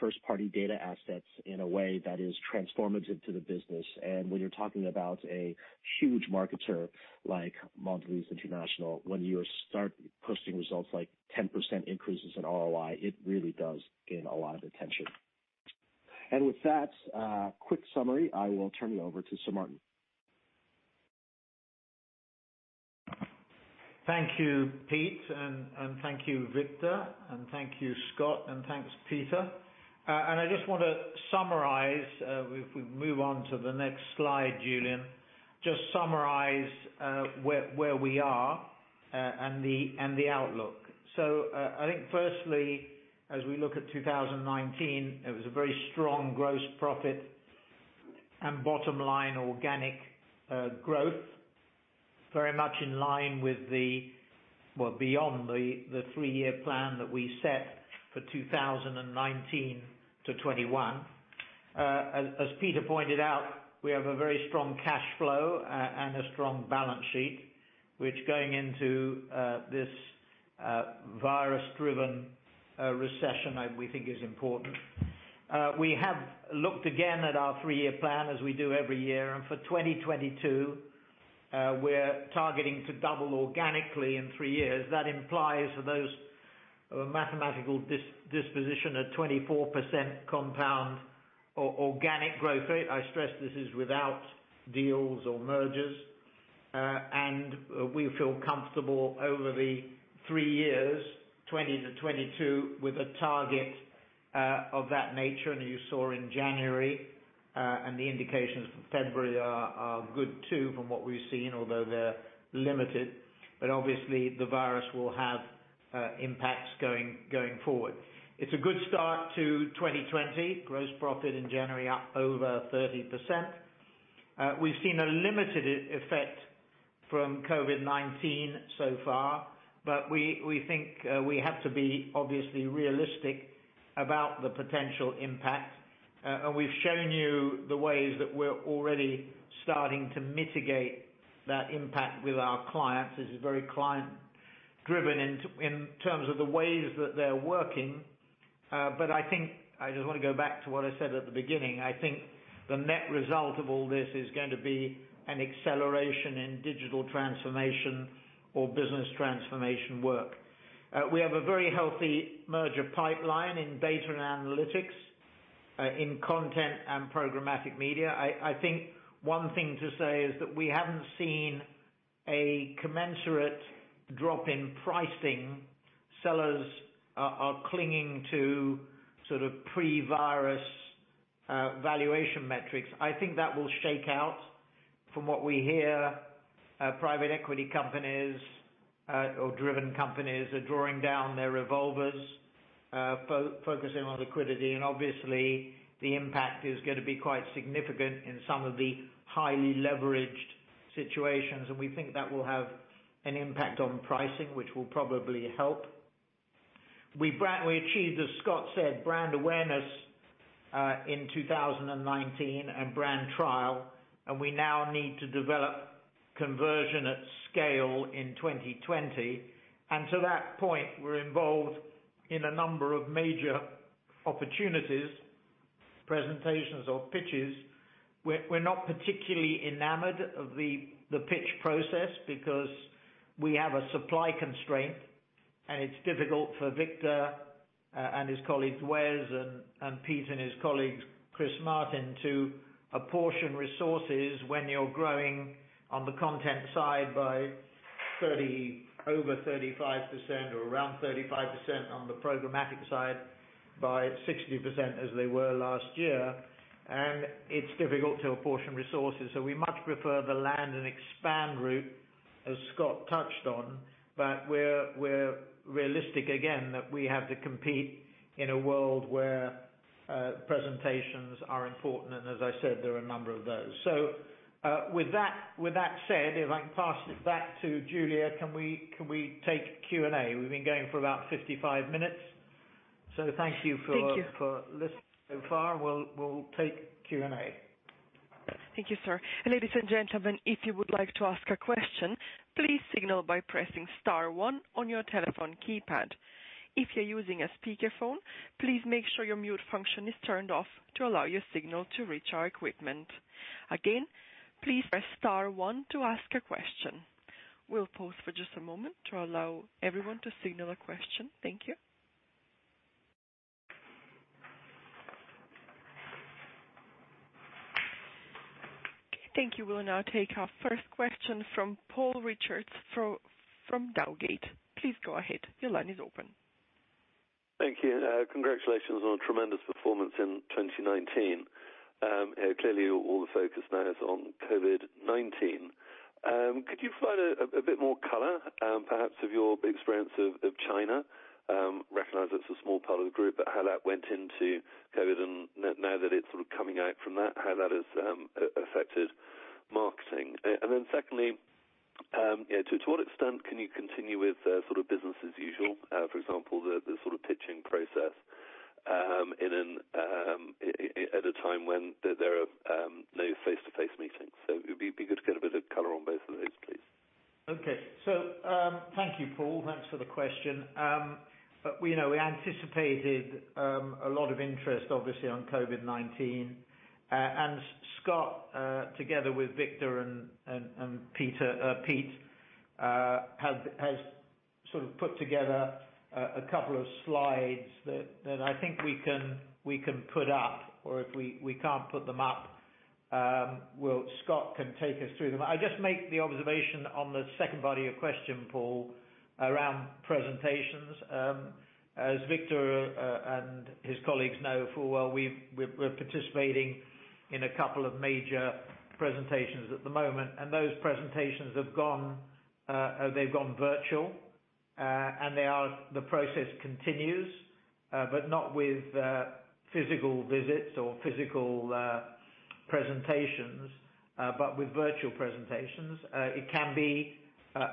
first-party data assets in a way that is transformative to the business. When you're talking about a huge marketer like Mondelēz International, when you start posting results like 10% increases in ROI, it really does gain a lot of attention. With that quick summary, I will turn it over to Sir Martin. Thank you, Pete, and thank you, Victor, and thank you, Scott, and thanks, Peter. I just want to summarize, if we move on to the next slide, Julian, just summarize where we are, and the outlook. I think firstly, as we look at 2019, it was a very strong gross profit and bottom-line organic growth, very much in line with the well, beyond the three-year plan that we set for 2019 to 2021. As Peter pointed out, we have a very strong cash flow and a strong balance sheet, which going into this virus-driven recession, we think is important. We have looked again at our three-year plan as we do every year. For 2022, we're targeting to double organically in three years. That implies for those of a mathematical disposition, a 24% compound organic growth rate. I stress this is without deals or mergers. We feel comfortable over the three years, 2020 to 2022, with a target of that nature, and you saw in January, and the indications for February are good too, from what we've seen, although they're limited. Obviously, the virus will have impacts going forward. It's a good start to 2020. Gross profit in January up over 30%. We've seen a limited effect from COVID-19 so far, but we think we have to be obviously realistic about the potential impact. We've shown you the ways that we're already starting to mitigate that impact with our clients. This is very client-driven in terms of the ways that they're working. I think I just want to go back to what I said at the beginning. I think the net result of all this is going to be an acceleration in digital transformation or business transformation work. We have a very healthy merger pipeline in data and analytics, in content and programmatic media. I think one thing to say is that we haven't seen a commensurate drop in pricing. Sellers are clinging to sort of pre-virus valuation metrics. I think that will shake out. From what we hear, private equity companies or driven companies are drawing down their revolvers, focusing on liquidity. Obviously, the impact is going to be quite significant in some of the highly leveraged situations, and we think that will have an impact on pricing, which will probably help. We achieved, as Scott said, brand awareness in 2019 and brand trial, and we now need to develop conversion at scale in 2020. To that point, we're involved in a number of major opportunities, presentations, or pitches. We're not particularly enamored of the pitch process because we have a supply constraint, and it's difficult for Victor and his colleagues, Wes, and Pete and his colleagues, Chris Martin, to apportion resources when you're growing on the content side by over 35% or around 35% on the programmatic side by 60%, as they were last year. It's difficult to apportion resources. We much prefer the land and expand route, as Scott touched on. We're realistic, again, that we have to compete in a world where presentations are important. As I said, there are a number of those. With that said, if I can pass it back to Julia, can we take Q&A? We've been going for about 55 minutes. Thank you for. Thank you. listening so far. We'll take Q&A. Thank you, sir. Ladies and gentlemen, if you would like to ask a question, please signal by pressing star one on your telephone keypad. If you're using a speakerphone, please make sure your mute function is turned off to allow your signal to reach our equipment. Again, please press star one to ask a question. We'll pause for just a moment to allow everyone to signal a question. Thank you. Thank you. We'll now take our first question from Paul Richards from Dowgate. Please go ahead. Your line is open. Thank you. Congratulations on a tremendous performance in 2019. All the focus now is on COVID-19. Could you provide a bit more color, perhaps of your experience of China? We recognize it's a small part of the group, how that went into COVID, now that it's sort of coming out from that, how that has affected marketing. Secondly, to what extent can you continue with business as usual? For example, the pitching process at a time when there are no face-to-face meetings. It would be good to get a bit of color on both of those, please. Okay. Thank you, Paul. Thanks for the question. We anticipated a lot of interest, obviously, on COVID-19. Scott, together with Victor and Pete, has sort of put together a couple of slides that I think we can put up, or if we can't put them up, Scott can take us through them. I just make the observation on the second body of question, Paul, around presentations. As Victor and his colleagues know full well, we're participating in a couple of major presentations at the moment, those presentations, they've gone virtual. The process continues, not with physical visits or physical presentations, with virtual presentations. It can be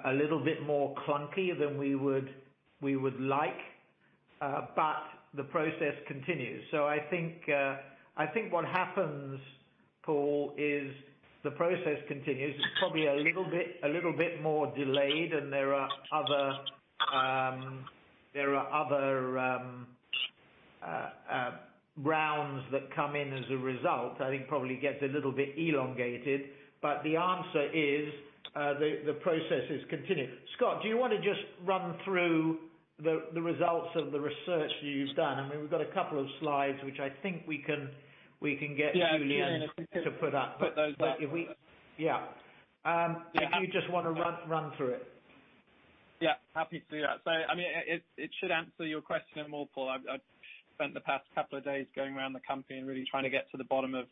a little bit more clunky than we would like, the process continues. I think what happens, Paul, is the process continues. It's probably a little bit more delayed than there are other rounds that come in as a result. I think probably gets a little bit elongated. The answer is, the process is continuing. Scott, do you want to just run through the results of the research you've done? I mean, we've got a couple of slides, which I think we can get. Yeah Julian to put up. Put those up for you. Yeah. If you just want to run through it. Yeah, happy to do that. It should answer your question and more, Paul. I've spent the past couple of days going around the company and really trying to get to the bottom of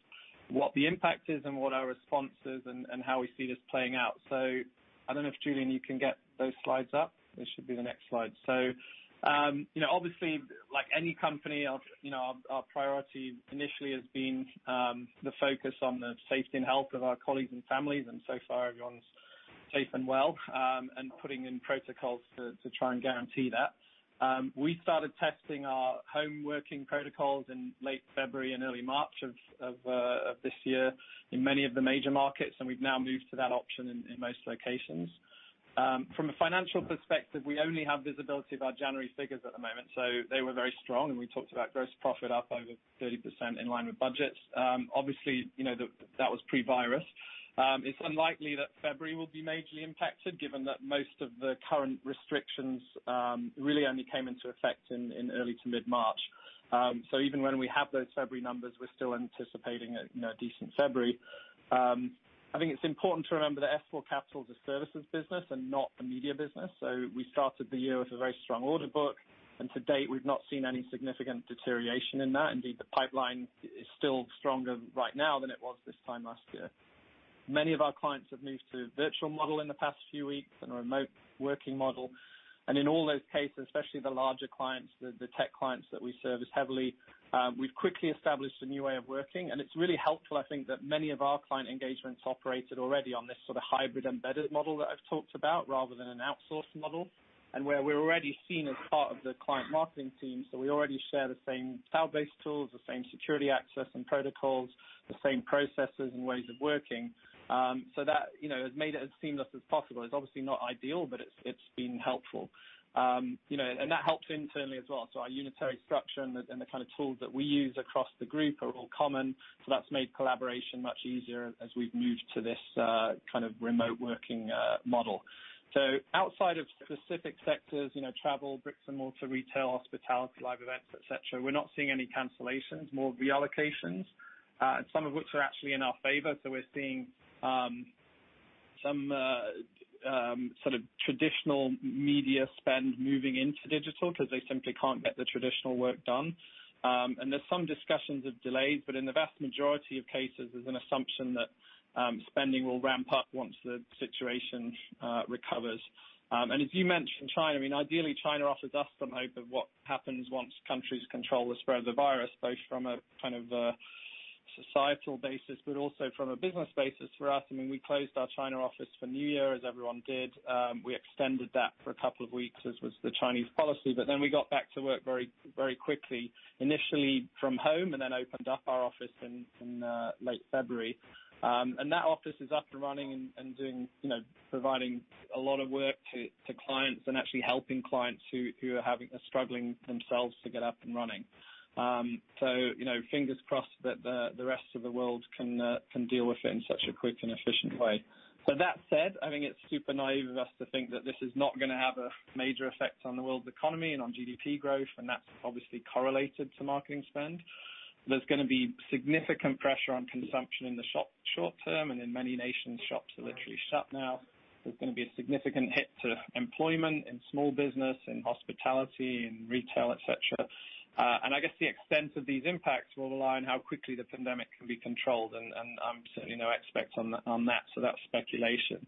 what the impact is and what our response is and how we see this playing out. I don't know if, Julian, you can get those slides up. This should be the next slide. Obviously, like any company, our priority initially has been the focus on the safety and health of our colleagues and families, and so far, everyone's safe and well, and putting in protocols to try and guarantee that. We started testing our home working protocols in late February and early March of this year in many of the major markets, and we've now moved to that option in most locations. From a financial perspective, we only have visibility of our January figures at the moment. They were very strong, and we talked about gross profit up over 30% in line with budgets. Obviously, that was pre-virus. It's unlikely that February will be majorly impacted given that most of the current restrictions really only came into effect in early to mid-March. Even when we have those February numbers, we're still anticipating a decent February. I think it's important to remember that S4 Capital is a services business and not a media business. We started the year with a very strong order book, and to date, we've not seen any significant deterioration in that. Indeed, the pipeline is still stronger right now than it was this time last year. Many of our clients have moved to a virtual model in the past few weeks and a remote working model. In all those cases, especially the larger clients, the tech clients that we service heavily, we've quickly established a new way of working. It's really helpful, I think, that many of our client engagements operated already on this sort of hybrid embedded model that I've talked about rather than an outsourced model, and where we're already seen as part of the client marketing team. We already share the same cloud-based tools, the same security access and protocols, the same processes and ways of working. That has made it as seamless as possible. It's obviously not ideal, but it's been helpful. That helps internally as well. Our unitary structure and the kind of tools that we use across the group are all common, so that's made collaboration much easier as we've moved to this kind of remote working model. Outside of specific sectors, travel, bricks and mortar, retail, hospitality, live events, et cetera, we're not seeing any cancellations, more reallocations. Some of which are actually in our favor. We're seeing some sort of traditional media spend moving into digital because they simply can't get the traditional work done. There's some discussions of delays, but in the vast majority of cases, there's an assumption that spending will ramp up once the situation recovers. As you mentioned, China, I mean, ideally, China offers us some hope of what happens once countries control the spread of the virus, both from a kind of a societal basis, but also from a business basis for us. I mean, we closed our China office for New Year, as everyone did. We extended that for a couple of weeks, as was the Chinese policy, but then we got back to work very quickly, initially from home, and then opened up our office in late February. That office is up and running and providing a lot of work to clients and actually helping clients who are struggling themselves to get up and running. Fingers crossed that the rest of the world can deal with it in such a quick and efficient way. That said, I think it's super naive of us to think that this is not going to have a major effect on the world's economy and on GDP growth, and that's obviously correlated to marketing spend. There's going to be significant pressure on consumption in the short term, and in many nations, shops are literally shut now. There's going to be a significant hit to employment in small business, in hospitality, in retail, et cetera. I guess the extent of these impacts will rely on how quickly the pandemic can be controlled, and I'm certainly no expert on that, so that's speculation.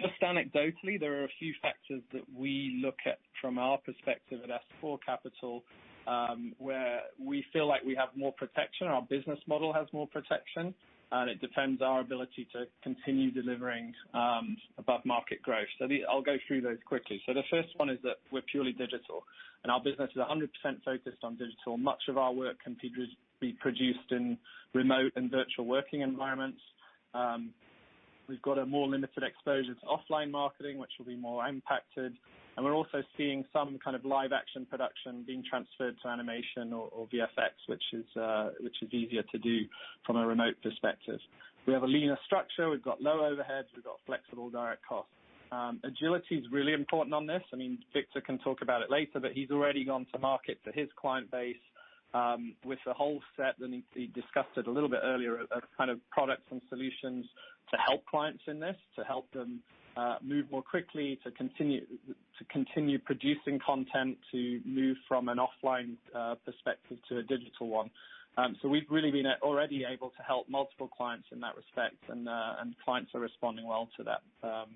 Just anecdotally, there are a few factors that we look at from our perspective at S4 Capital, where we feel like we have more protection, our business model has more protection, and it defends our ability to continue delivering above-market growth. I'll go through those quickly. The first one is that we're purely digital, and our business is 100% focused on digital. Much of our work can be produced in remote and virtual working environments. We've got a more limited exposure to offline marketing, which will be more impacted, and we're also seeing some kind of live action production being transferred to animation or VFX, which is easier to do from a remote perspective. We have a leaner structure, we've got low overheads, we've got flexible direct costs. Agility is really important on this. I mean, Victor can talk about it later, but he's already gone to market for his client base with the whole set, and he discussed it a little bit earlier, of kind of products and solutions to help clients in this, to help them move more quickly, to continue producing content, to move from an offline perspective to a digital one. We've really been already able to help multiple clients in that respect, and clients are responding well to that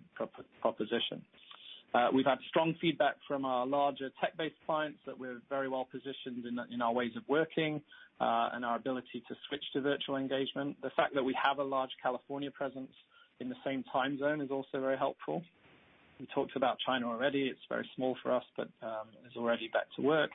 proposition. We've had strong feedback from our larger tech-based clients that we're very well positioned in our ways of working and our ability to switch to virtual engagement. The fact that we have a large California presence in the same time zone is also very helpful. We talked about China already. It's very small for us, but it's already back to work.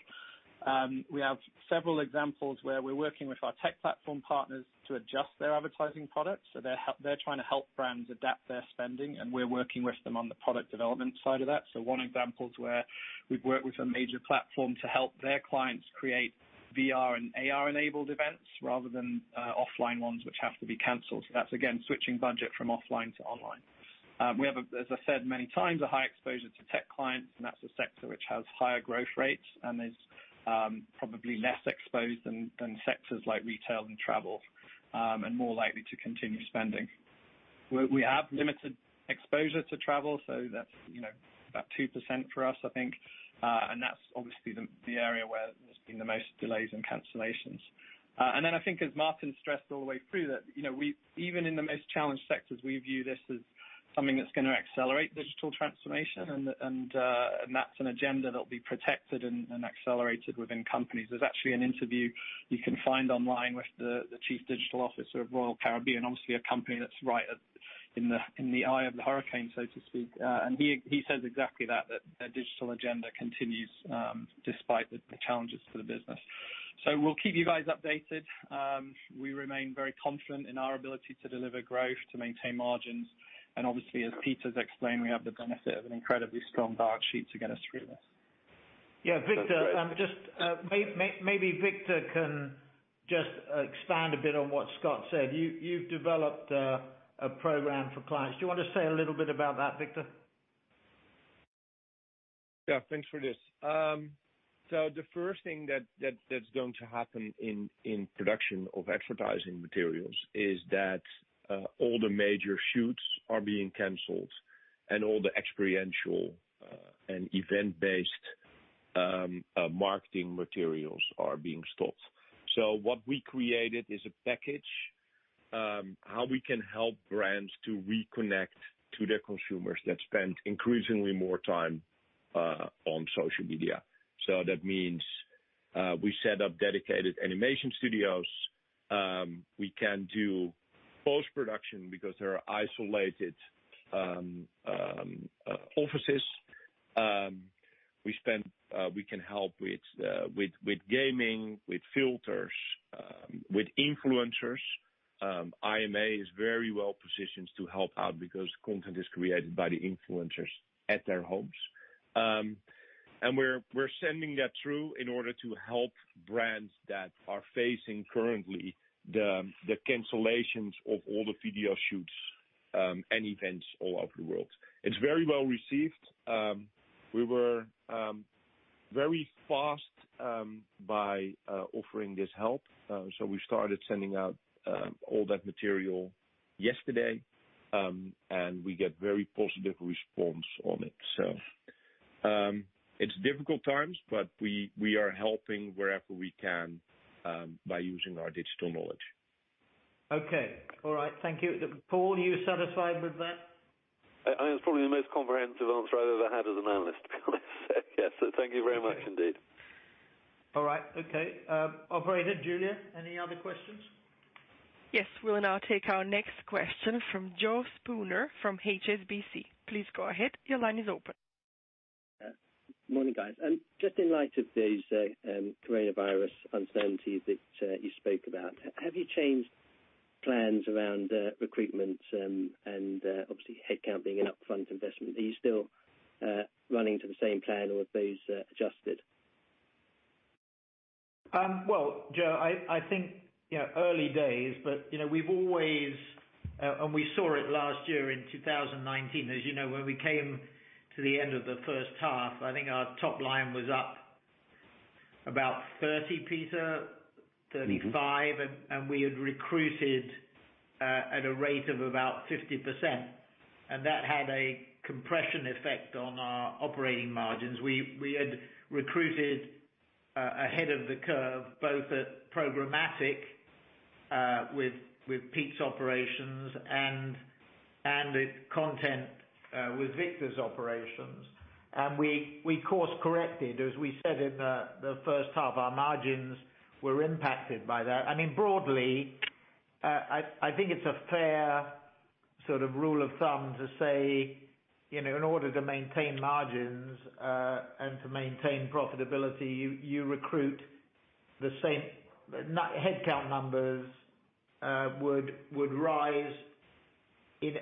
We have several examples where we're working with our tech platform partners to adjust their advertising products. They're trying to help brands adapt their spending, and we're working with them on the product development side of that. One example is where we've worked with a major platform to help their clients create VR and AR-enabled events rather than offline ones which have to be canceled. That's, again, switching budget from offline to online. We have, as I said many times, a high exposure to tech clients, and that's a sector which has higher growth rates and is probably less exposed than sectors like retail and travel, and more likely to continue spending. We have limited exposure to travel, so that's about 2% for us, I think, and that's obviously the area where there's been the most delays and cancellations. I think as Martin stressed all the way through that even in the most challenged sectors, we view this as something that's going to accelerate digital transformation, and that's an agenda that will be protected and accelerated within companies. There's actually an interview you can find online with the chief digital officer of Royal Caribbean, obviously a company that's right in the eye of the hurricane, so to speak. He says exactly that their digital agenda continues despite the challenges to the business. We'll keep you guys updated. We remain very confident in our ability to deliver growth, to maintain margins, and obviously, as Peter's explained, we have the benefit of an incredibly strong balance sheet to get us through this. Yeah, Victor, maybe Victor can just expand a bit on what Scott said. You've developed a program for clients. Do you want to say a little bit about that, Victor? Yeah, thanks for this. The first thing that's going to happen in production of advertising materials is that all the major shoots are being canceled, and all the experiential and event-based marketing materials are being stopped. What we created is a package, how we can help brands to reconnect to their consumers that spend increasingly more time on social media. That means we set up dedicated animation studios. We can do post-production because there are isolated offices. We can help with gaming, with filters, with influencers. IMA is very well positioned to help out because content is created by the influencers at their homes. We're sending that through in order to help brands that are facing currently the cancellations of all the video shoots and events all over the world. It's very well received. We were very fast by offering this help. We started sending out all that material yesterday, and we get very positive response on it. It's difficult times, but we are helping wherever we can by using our digital knowledge. Okay. All right. Thank you. Paul, are you satisfied with that? I think it's probably the most comprehensive answer I've ever had as an analyst, to be honest. Thank you very much indeed. All right. Okay. Operator, Julian, any other questions? Yes. We'll now take our next question from Joe Spooner from HSBC. Please go ahead. Your line is open. Morning, guys. Just in light of these coronavirus uncertainties that you spoke about, have you changed plans around recruitment and obviously headcount being an upfront investment? Are you still running to the same plan or are those adjusted? Well, Joe, I think early days. We saw it last year in 2019. As you know, when we came to the end of the first half, I think our top line was up about 30%, Peter, 35%. We had recruited at a rate of about 50%. That had a compression effect on our operating margins. We had recruited ahead of the curve, both at Programmatic with Pete's operations, and at Content with Victor's operations. We course-corrected, as we said in the first half, our margins were impacted by that. Broadly, I think it's a fair rule of thumb to say, in order to maintain margins, and to maintain profitability, you recruit the same headcount numbers would rise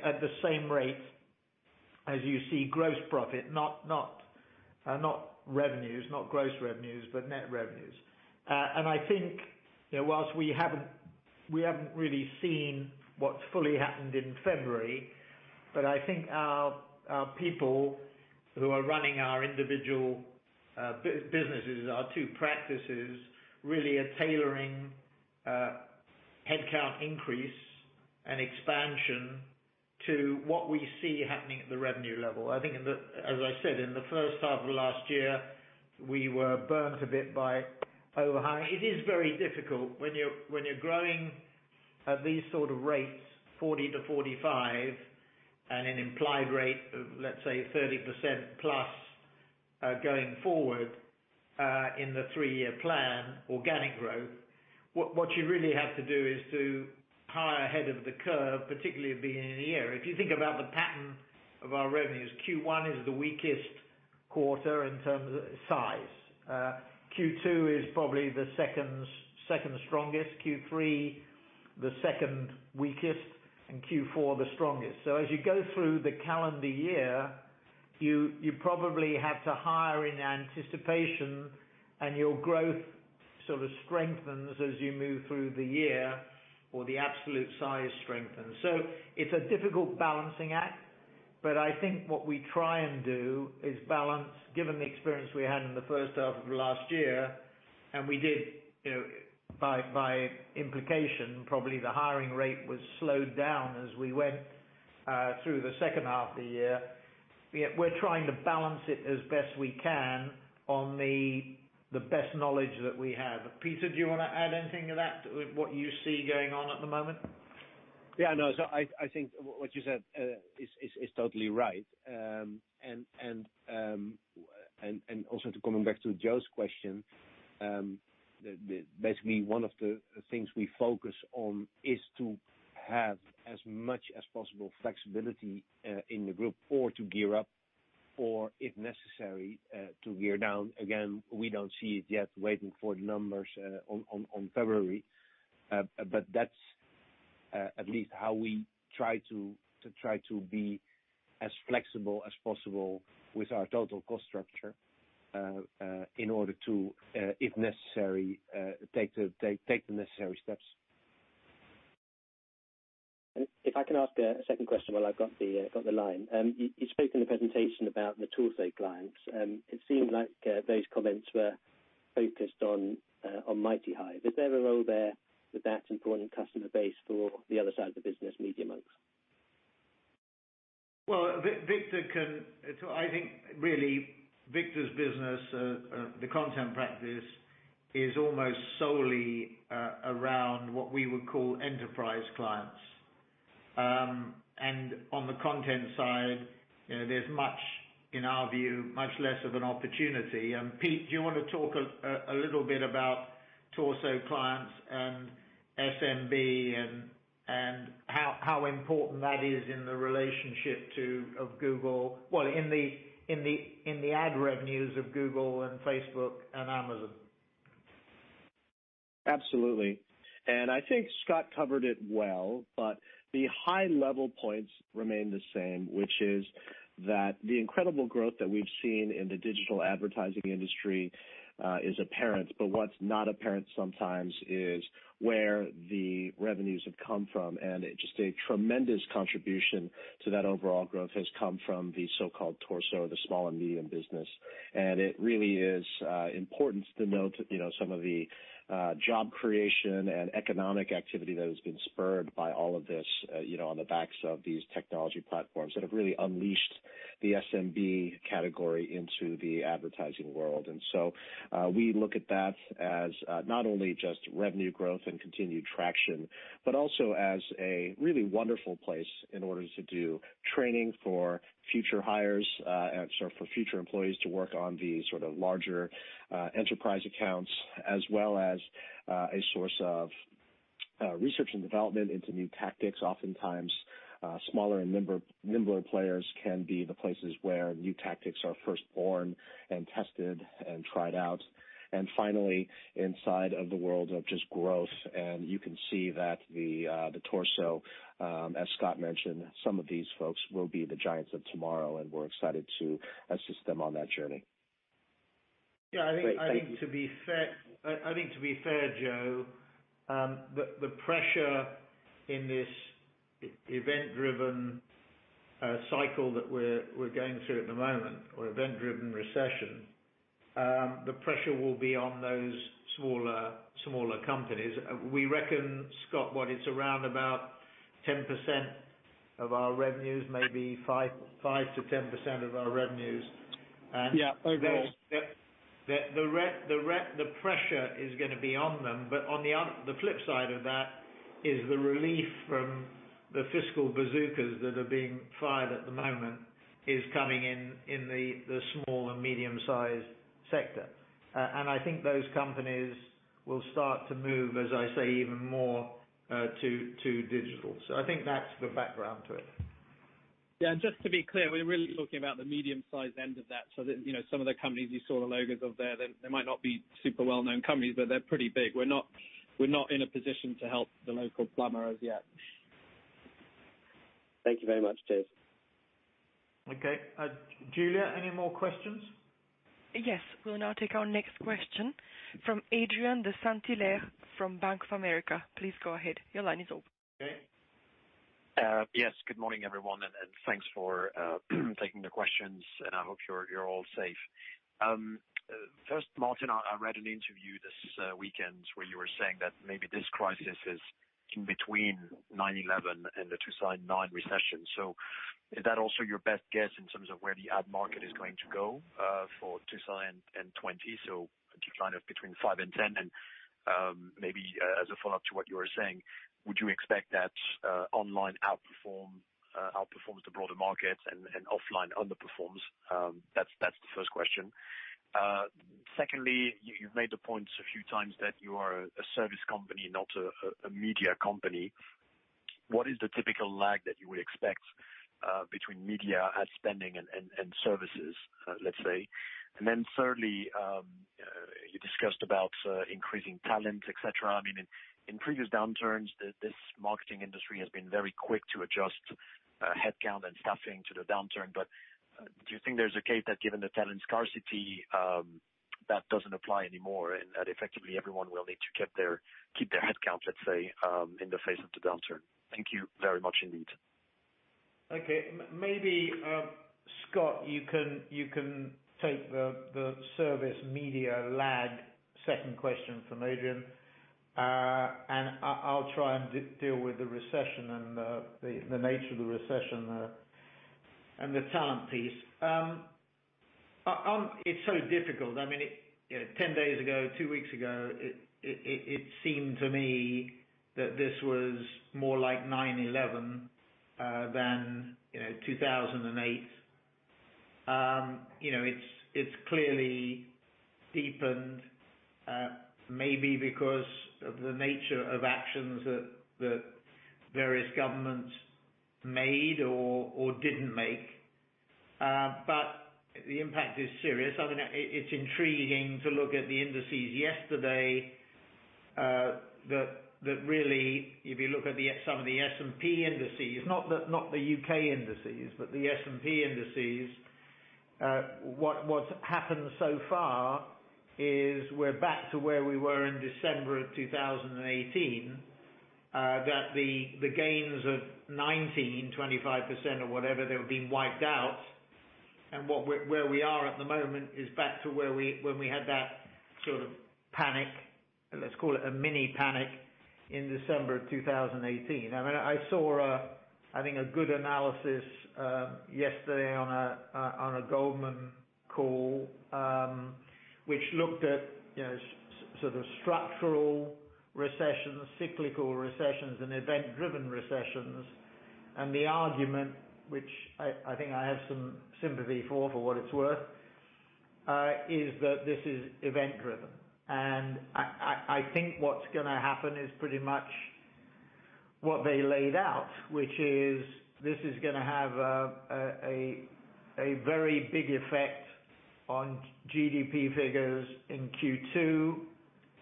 at the same rate as you see gross profit, not revenues, not gross revenues, but net revenues. I think, whilst we haven't really seen what's fully happened in February, but I think our people who are running our individual businesses, our two practices, really are tailoring headcount increase and expansion to what we see happening at the revenue level. I think, as I said, in the first half of last year, we were burnt a bit by over-hiring. It is very difficult when you are growing at these sort of rates, 40%-45%, and an implied rate of, let's say, 30%+, going forward, in the three-year plan, organic growth. What you really have to do is to hire ahead of the curve, particularly at the beginning of the year. If you think about the pattern of our revenues, Q1 is the weakest quarter in terms of size. Q2 is probably the second strongest, Q3 the second weakest, and Q4 the strongest. As you go through the calendar year, you probably have to hire in anticipation, and your growth sort of strengthens as you move through the year or the absolute size strengthens. It's a difficult balancing act, but I think what we try and do is balance, given the experience we had in the first half of last year, and we did by implication, probably the hiring rate was slowed down as we went through the second half of the year. We're trying to balance it as best as we can on the best knowledge that we have. Peter, do you want to add anything to that, with what you see going on at the moment? I think what you said is totally right. Also to coming back to Joe's question, one of the things we focus on is to have as much as possible flexibility in the group or to gear up, or if necessary, to gear down. Again, we don't see it yet, waiting for the numbers on February. That's at least how we try to be as flexible as possible with our total cost structure, in order to, if necessary, take the necessary steps. If I can ask a second question while I've got the line. You spoke in the presentation about the tier-one clients. It seemed like those comments were focused on MightyHive. Is there a role there with that important customer base for the other side of the business, Media.Monks? Well, I think really, Victor's business, the content practice, is almost solely around what we would call enterprise clients. On the content side, there's much less of an opportunity. Pete, do you want to talk a little bit about torso clients and SMB and how important that is in the relationship of Google, well, in the ad revenues of Google and Facebook and Amazon. Absolutely. I think Scott covered it well, the high-level points remain the same, which is that the incredible growth that we've seen in the digital advertising industry is apparent. What's not apparent sometimes is where the revenues have come from. Just a tremendous contribution to that overall growth has come from the so-called torso, the small and medium business. It really is important to note some of the job creation and economic activity that has been spurred by all of this, on the backs of these technology platforms that have really unleashed the SMB category into the advertising world. We look at that as not only just revenue growth and continued traction, but also as a really wonderful place in order to do training for future hires, and sorry, for future employees to work on the larger enterprise accounts, as well as a source of research and development into new tactics. Oftentimes, smaller and nimbler players can be the places where new tactics are first born and tested and tried out. Finally, inside of the world of just growth, and you can see that the torso, as Scott mentioned, some of these folks will be the giants of tomorrow, and we're excited to assist them on that journey. Yeah, I think to be fair, Joe, the pressure in this event-driven cycle that we're going through at the moment, or event-driven recession. The pressure will be on those smaller companies. We reckon, Scott, what, it's around about 10% of our revenues, maybe 5%-10% of our revenues. Yeah. I agree. The pressure is going to be on them, but on the flip side of that is the relief from the fiscal bazookas that are being fired at the moment, is coming in the small and medium-sized sector. I think those companies will start to move, as I say, even more to digital. I think that's the background to it. Yeah, just to be clear, we're really talking about the medium-sized end of that. That some of the companies you saw the logos of there, they might not be super well-known companies, but they're pretty big. We're not in a position to help the local plumber as yet. Thank you very much. Cheers. Okay. Julian, any more questions? Yes. We'll now take our next question from Adrien de Saint Hilaire from Bank of America. Please go ahead. Your line is open. Okay. Yes. Good morning, everyone, and thanks for taking the questions, and I hope you're all safe. First, Martin, I read an interview this weekend where you were saying that maybe this crisis is in between 9/11 and the 2009 recession. Is that also your best guess in terms of where the ad market is going to go for 2020, so kind of between five and 10? Maybe as a follow-up to what you were saying, would you expect that online outperforms the broader market and offline underperforms? That's the first question. Secondly, you've made the point a few times that you are a service company, not a media company. What is the typical lag that you would expect between media ad spending and services, let's say? Thirdly, you discussed about increasing talent, et cetera. In previous downturns, this marketing industry has been very quick to adjust headcount and staffing to the downturn. Do you think there's a case that given the talent scarcity, that doesn't apply anymore, and that effectively everyone will need to keep their headcount, let's say, in the face of the downturn? Thank you very much indeed. Okay. Maybe, Scott, you can take the service media lag second question from Adrien. I'll try and deal with the recession and the nature of the recession and the talent piece. It's so difficult. 10 days ago, two weeks ago, it seemed to me that this was more like 9/11 than 2008. It's clearly deepened, maybe because of the nature of actions that the various governments made or didn't make. The impact is serious. It's intriguing to look at the indices yesterday, that really, if you look at some of the S&P indices, not the U.K. indices, but the S&P indices, what's happened so far is we're back to where we were in December of 2018. That the gains of 2019, 25% or whatever, they have been wiped out. Where we are at the moment is back to when we had that sort of panic, let's call it a mini panic, in December of 2018. I saw a good analysis yesterday on a Goldman Sachs call, which looked at sort of structural recessions, cyclical recessions, and event-driven recessions. The argument, which I think I have some sympathy for what it's worth, is that this is event-driven. I think what's going to happen is pretty much what they laid out, which is this is going to have a very big effect on GDP figures in Q2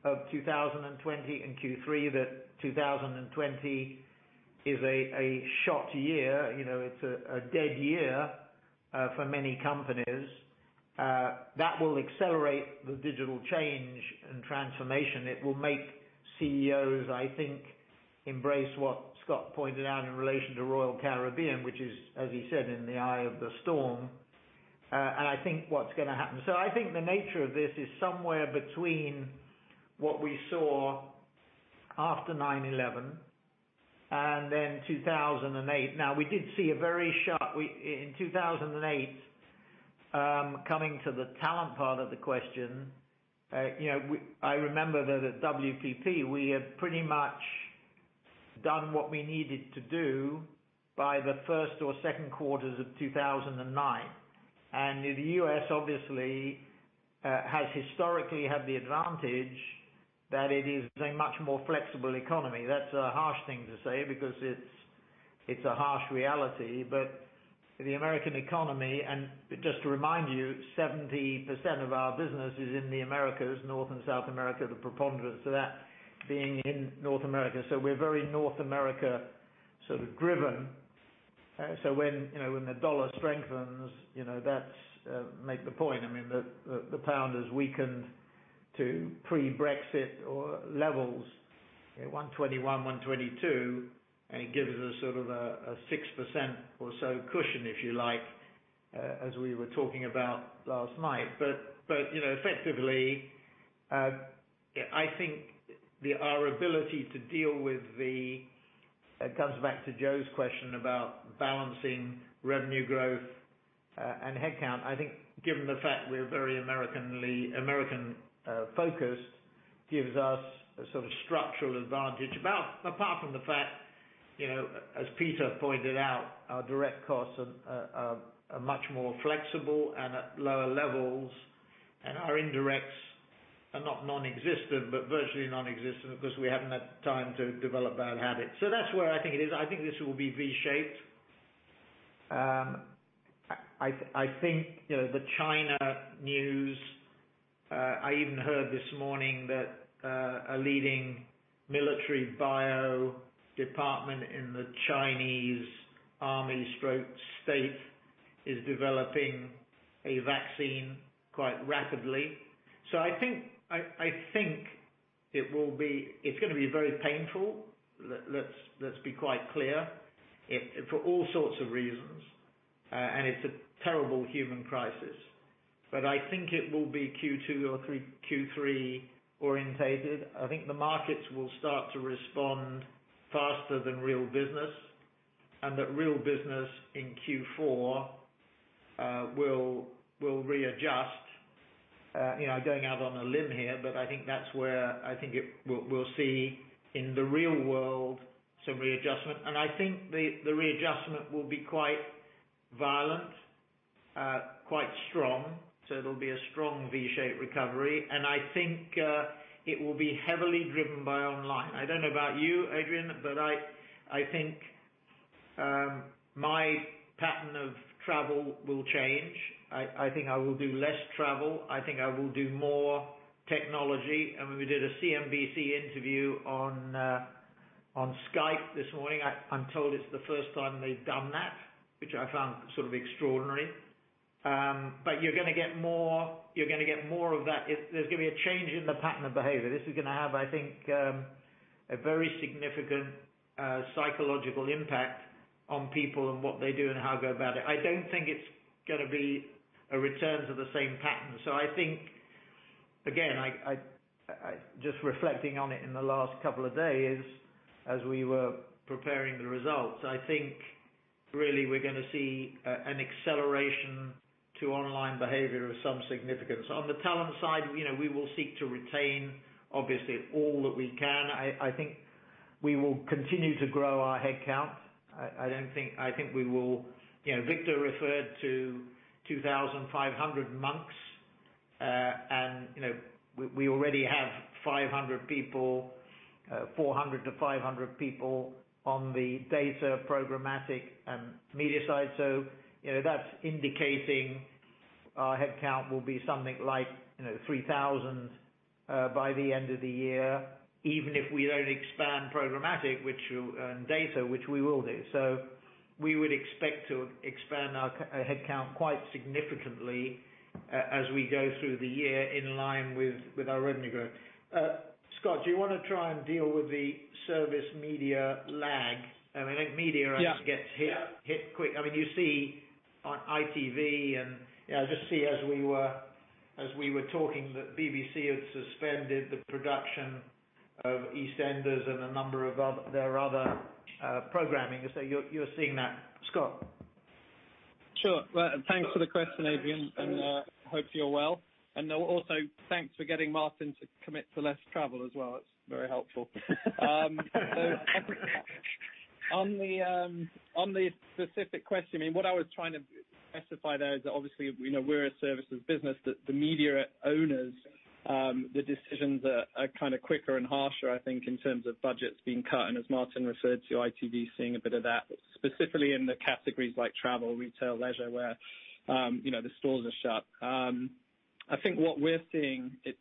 of 2020 and Q3, that 2020 is a shot year. It's a dead year for many companies. That will accelerate the digital change and transformation. It will make CEOs, I think, embrace what Scott pointed out in relation to Royal Caribbean, which is, as he said, in the eye of the storm, and I think what's going to happen. I think the nature of this is somewhere between what we saw after 9/11 and 2008. We did see a very sharp. In 2008, coming to the talent part of the question, I remember that at WPP, we had pretty much done what we needed to do by the first or second quarters of 2009. The U.S. obviously has historically had the advantage that it is a much more flexible economy. That's a harsh thing to say because it's a harsh reality. The American economy, and just to remind you, 70% of our business is in the Americas, North and South America, the preponderance of that being in North America. We're very North America sort of driven. When the dollar strengthens, that makes the point. The pound has weakened to pre-Brexit levels at 121, 122, and it gives us sort of a 6% or so cushion, if you like, as we were talking about last night. Effectively, it comes back to Joe's question about balancing revenue growth and headcount. I think given the fact we're very American-focused gives us a sort of structural advantage. Apart from the fact, as Pete pointed out, our direct costs are much more flexible and at lower levels, and our indirects are not non-existent, but virtually non-existent because we haven't had time to develop bad habits. That's where I think it is. I think this will be V-shaped. I think the China news, I even heard this morning that a leading military bio department in the Chinese army/state is developing a vaccine quite rapidly. I think it's going to be very painful. Let's be quite clear, for all sorts of reasons, and it's a terrible human crisis. I think it will be Q2 or Q3 orientated. I think the markets will start to respond faster than real business. That real business in Q4 will readjust. I'm going out on a limb here, but I think that's where I think we'll see in the real world some readjustment. I think the readjustment will be quite violent, quite strong. It will be a strong V-shaped recovery. I think it will be heavily driven by online. I don't know about you, Adrien, but I think my pattern of travel will change. I think I will do less travel. I think I will do more technology. When we did a CNBC interview on Skype this morning, I'm told it's the first time they've done that, which I found sort of extraordinary. You're going to get more of that. There's going to be a change in the pattern of behavior. This is going to have, I think, a very significant psychological impact on people and what they do and how they go about it. I don't think it's going to be a return to the same pattern. I think, again, just reflecting on it in the last couple of days as we were preparing the results, I think really we're going to see an acceleration to online behavior of some significance. On the talent side, we will seek to retain, obviously, all that we can. I think we will continue to grow our headcount. Victor referred to 2,500 monks, and we already have 400-500 people on the data programmatic and media side. That's indicating our headcount will be something like 3,000 by the end of the year, even if we don't expand programmatic and data, which we will do. We would expect to expand our headcount quite significantly as we go through the year in line with our revenue growth. Scott, do you want to try and deal with the service media lag? I think. Yeah always gets hit quick. You see on ITV, just see as we were talking, that BBC had suspended the production of "EastEnders" and a number of their other programming. You're seeing that. Scott? Sure. Thanks for the question, Adrien, and hope you're well. Also, thanks for getting Martin to commit to less travel as well. It's very helpful. On the specific question, what I was trying to specify there is that obviously we're a service business. The media owners, the decisions are kind of quicker and harsher, I think, in terms of budgets being cut, and as Martin referred to, ITV seeing a bit of that, specifically in the categories like travel, retail, leisure, where the stores are shut. I think what we're seeing, it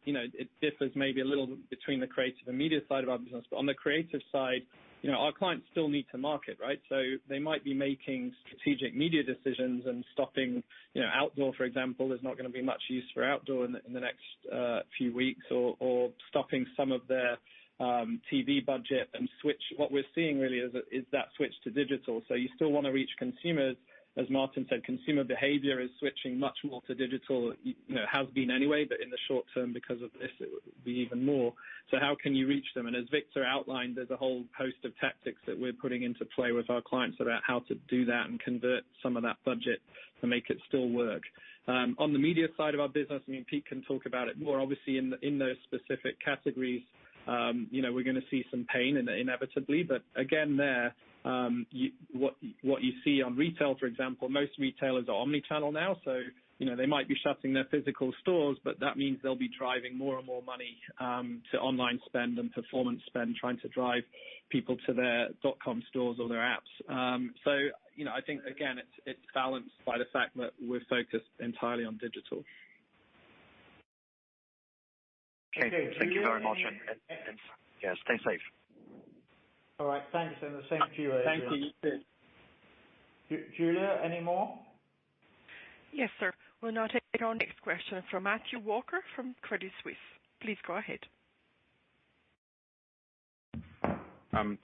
differs maybe a little between the creative and media side of our business. On the creative side, our clients still need to market, right? They might be making strategic media decisions and stopping outdoor, for example. There's not going to be much use for outdoor in the next few weeks. Stopping some of their TV budget and what we're seeing really is that switch to digital. You still want to reach consumers. As Martin said, consumer behavior is switching much more to digital. It has been anyway, but in the short term, because of this, it will be even more. How can you reach them? As Victor outlined, there's a whole host of tactics that we're putting into play with our clients about how to do that and convert some of that budget to make it still work. On the media side of our business, Pete can talk about it more. Obviously, in those specific categories, we're going to see some pain inevitably. Again, there, what you see on retail, for example, most retailers are omnichannel now, so they might be shutting their physical stores, but that means they'll be driving more and more money to online spend and performance spend, trying to drive people to their dot-com stores or their apps. I think, again, it's balanced by the fact that we're focused entirely on digital. Okay. Thank you very much. Stay safe. All right. Thanks. The same to you, Adrien. Thank you. You too. Julia, any more? Yes, sir. We'll now take our next question from Matthew Walker from Credit Suisse. Please go ahead.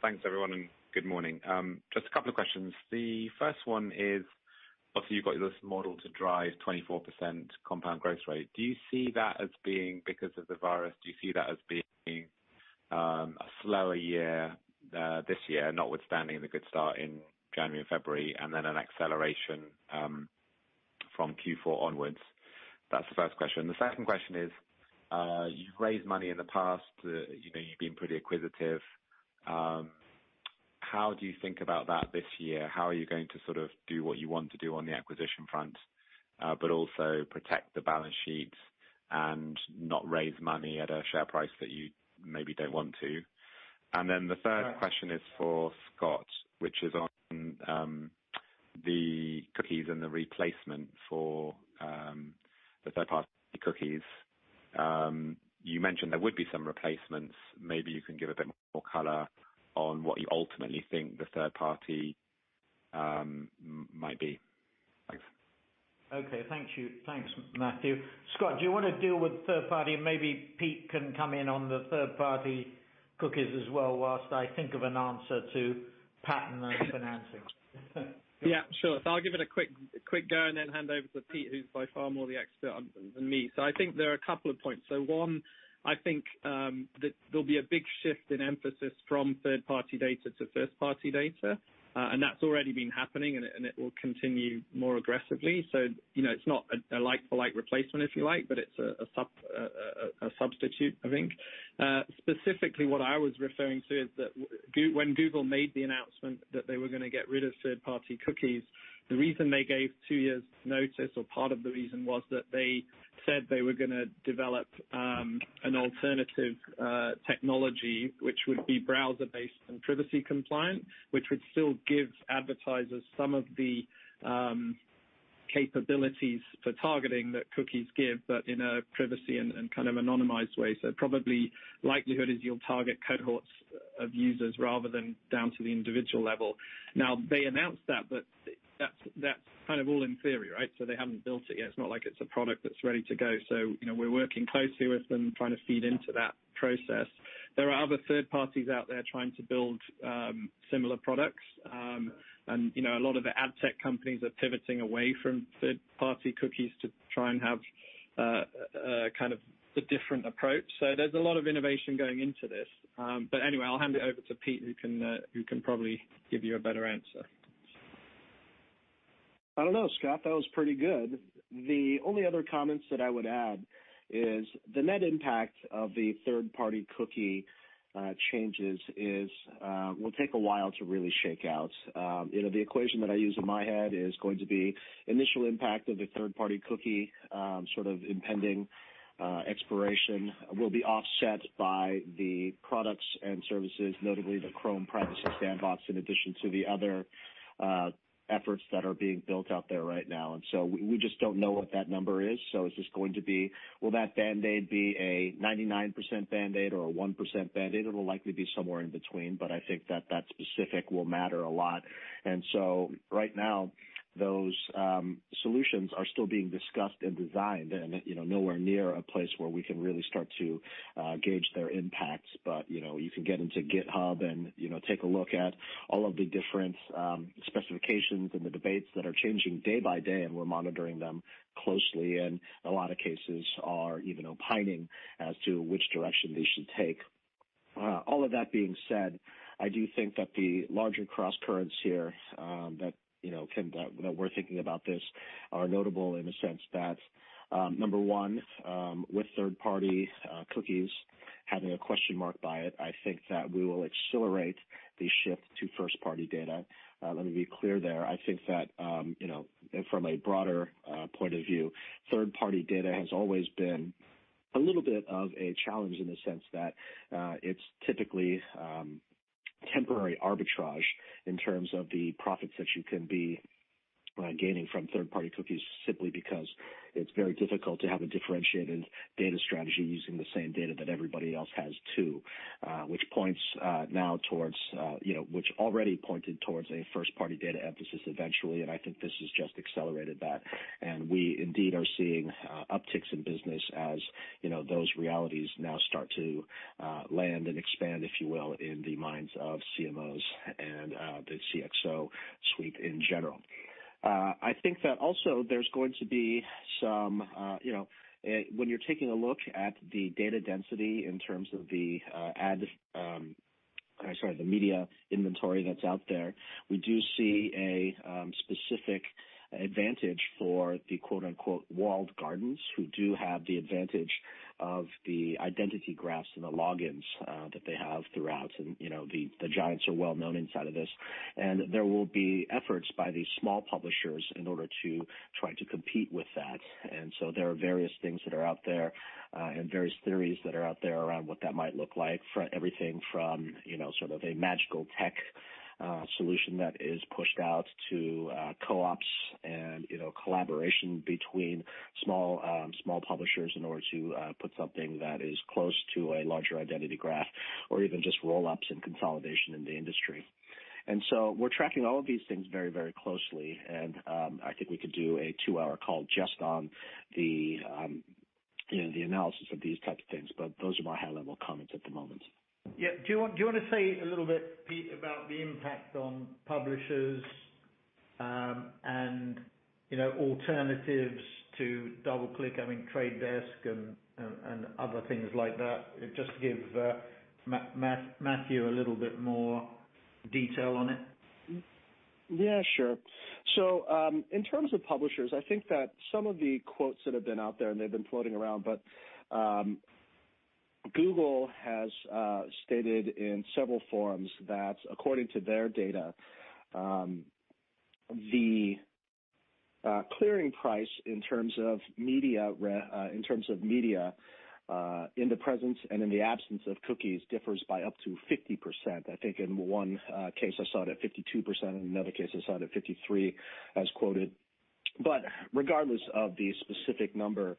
Thanks, everyone, and good morning. Just a couple of questions. The first one is, obviously, you've got this model to drive 24% compound growth rate. Do you see that as being because of the virus? Do you see that as being a slower year this year, notwithstanding the good start in January and February, and then an acceleration from Q4 onwards? That's the first question. The second question is, you've raised money in the past. You've been pretty acquisitive. How do you think about that this year? How are you going to sort of do what you want to do on the acquisition front, also protect the balance sheet and not raise money at a share price that you maybe don't want to? Then the third question is for Scott, which is on the cookies and the replacement for the third-party cookies. You mentioned there would be some replacements. Maybe you can give a bit more color on what you ultimately think the third party might be. Thanks. Okay. Thank you. Thanks, Matthew. Scott, do you want to deal with third party? Maybe Pete can come in on the third-party cookies as well while I think of an answer to patent and financing. Yeah, sure. I'll give it a quick go and then hand over to Pete, who's by far more the expert on them than me. I think there are a couple of points. One, I think, that there'll be a big shift in emphasis from third-party data to first-party data. That's already been happening, and it will continue more aggressively. It's not a like-for-like replacement if you like, but it's a substitute, I think. Specifically what I was referring to is that when Google made the announcement that they were going to get rid of third-party cookies, the reason they gave two years notice, or part of the reason, was that they said they were gonna develop an alternative technology, which would be browser-based and privacy compliant. Which would still give advertisers some of the capabilities for targeting that cookies give, but in a privacy and anonymized way. Probably likelihood is you'll target cohorts of users rather than down to the individual level. Now, they announced that, but that's all in theory, right? They haven't built it yet. It's not like it's a product that's ready to go. We're working closely with them, trying to feed into that process. There are other third parties out there trying to build similar products. A lot of the ad tech companies are pivoting away from third-party cookies to try and have a different approach. There's a lot of innovation going into this. Anyway, I'll hand it over to Pete, who can probably give you a better answer. I don't know, Scott, that was pretty good. The only other comments that I would add is the net impact of the third-party cookie changes will take a while to really shake out. The equation that I use in my head is going to be initial impact of the third-party cookie sort of impending expiration will be offset by the products and services, notably the Chrome Privacy Sandbox, in addition to the other efforts that are being built out there right now. We just don't know what that number is. Will that band-aid be a 99% band-aid or a 1% band-aid? It'll likely be somewhere in between, but I think that that specific will matter a lot. Right now, those solutions are still being discussed and designed and nowhere near a place where we can really start to gauge their impacts. You can get into GitHub and take a look at all of the different specifications and the debates that are changing day by day, and we're monitoring them closely, and a lot of cases are even opining as to which direction they should take. That being said, I do think that the larger crosscurrents here that we're thinking about this are notable in the sense that, number one, with third-party cookies having a question mark by it, I think that we will accelerate the shift to first-party data. Let me be clear there. I think that from a broader point of view, third-party data has always been a little bit of a challenge in the sense that, it's typically temporary arbitrage in terms of the profits that you can be gaining from third-party cookies, simply because it's very difficult to have a differentiated data strategy using the same data that everybody else has too. Which already pointed towards a first-party data emphasis eventually, and I think this has just accelerated that. We indeed are seeing upticks in business as those realities now start to land and expand, if you will, in the minds of CMOs and the CXO suite in general. I think that also there's going to be. When you're taking a look at the data density in terms of the ad, sorry, the media inventory that's out there, we do see a specific advantage for the "walled gardens" who do have the advantage of the identity graphs and the logins that they have throughout. The giants are well known inside of this. There will be efforts by these small publishers in order to try to compete with that. There are various things that are out there, and various theories that are out there around what that might look like. Everything from sort of a magical tech solution that is pushed out to co-ops and collaboration between small publishers in order to put something that is close to a larger identity graph, or even just roll-ups and consolidation in the industry. We're tracking all of these things very closely, and I think we could do a two-hour call just on the analysis of these types of things, but those are my high-level comments at the moment. Yeah. Do you want to say a little bit, Pete, about the impact on publishers and alternatives to DoubleClick, I mean, Trade Desk and other things like that, just to give Matthew a little bit more detail on it? Yeah, sure. In terms of publishers, I think that some of the quotes that have been out there, and they've been floating around. Google has stated in several forums that according to their data, the clearing price in terms of media, in the presence and in the absence of cookies, differs by up to 50%. I think in one case I saw it at 52%, and in another case I saw it at 53%, as quoted. Regardless of the specific number,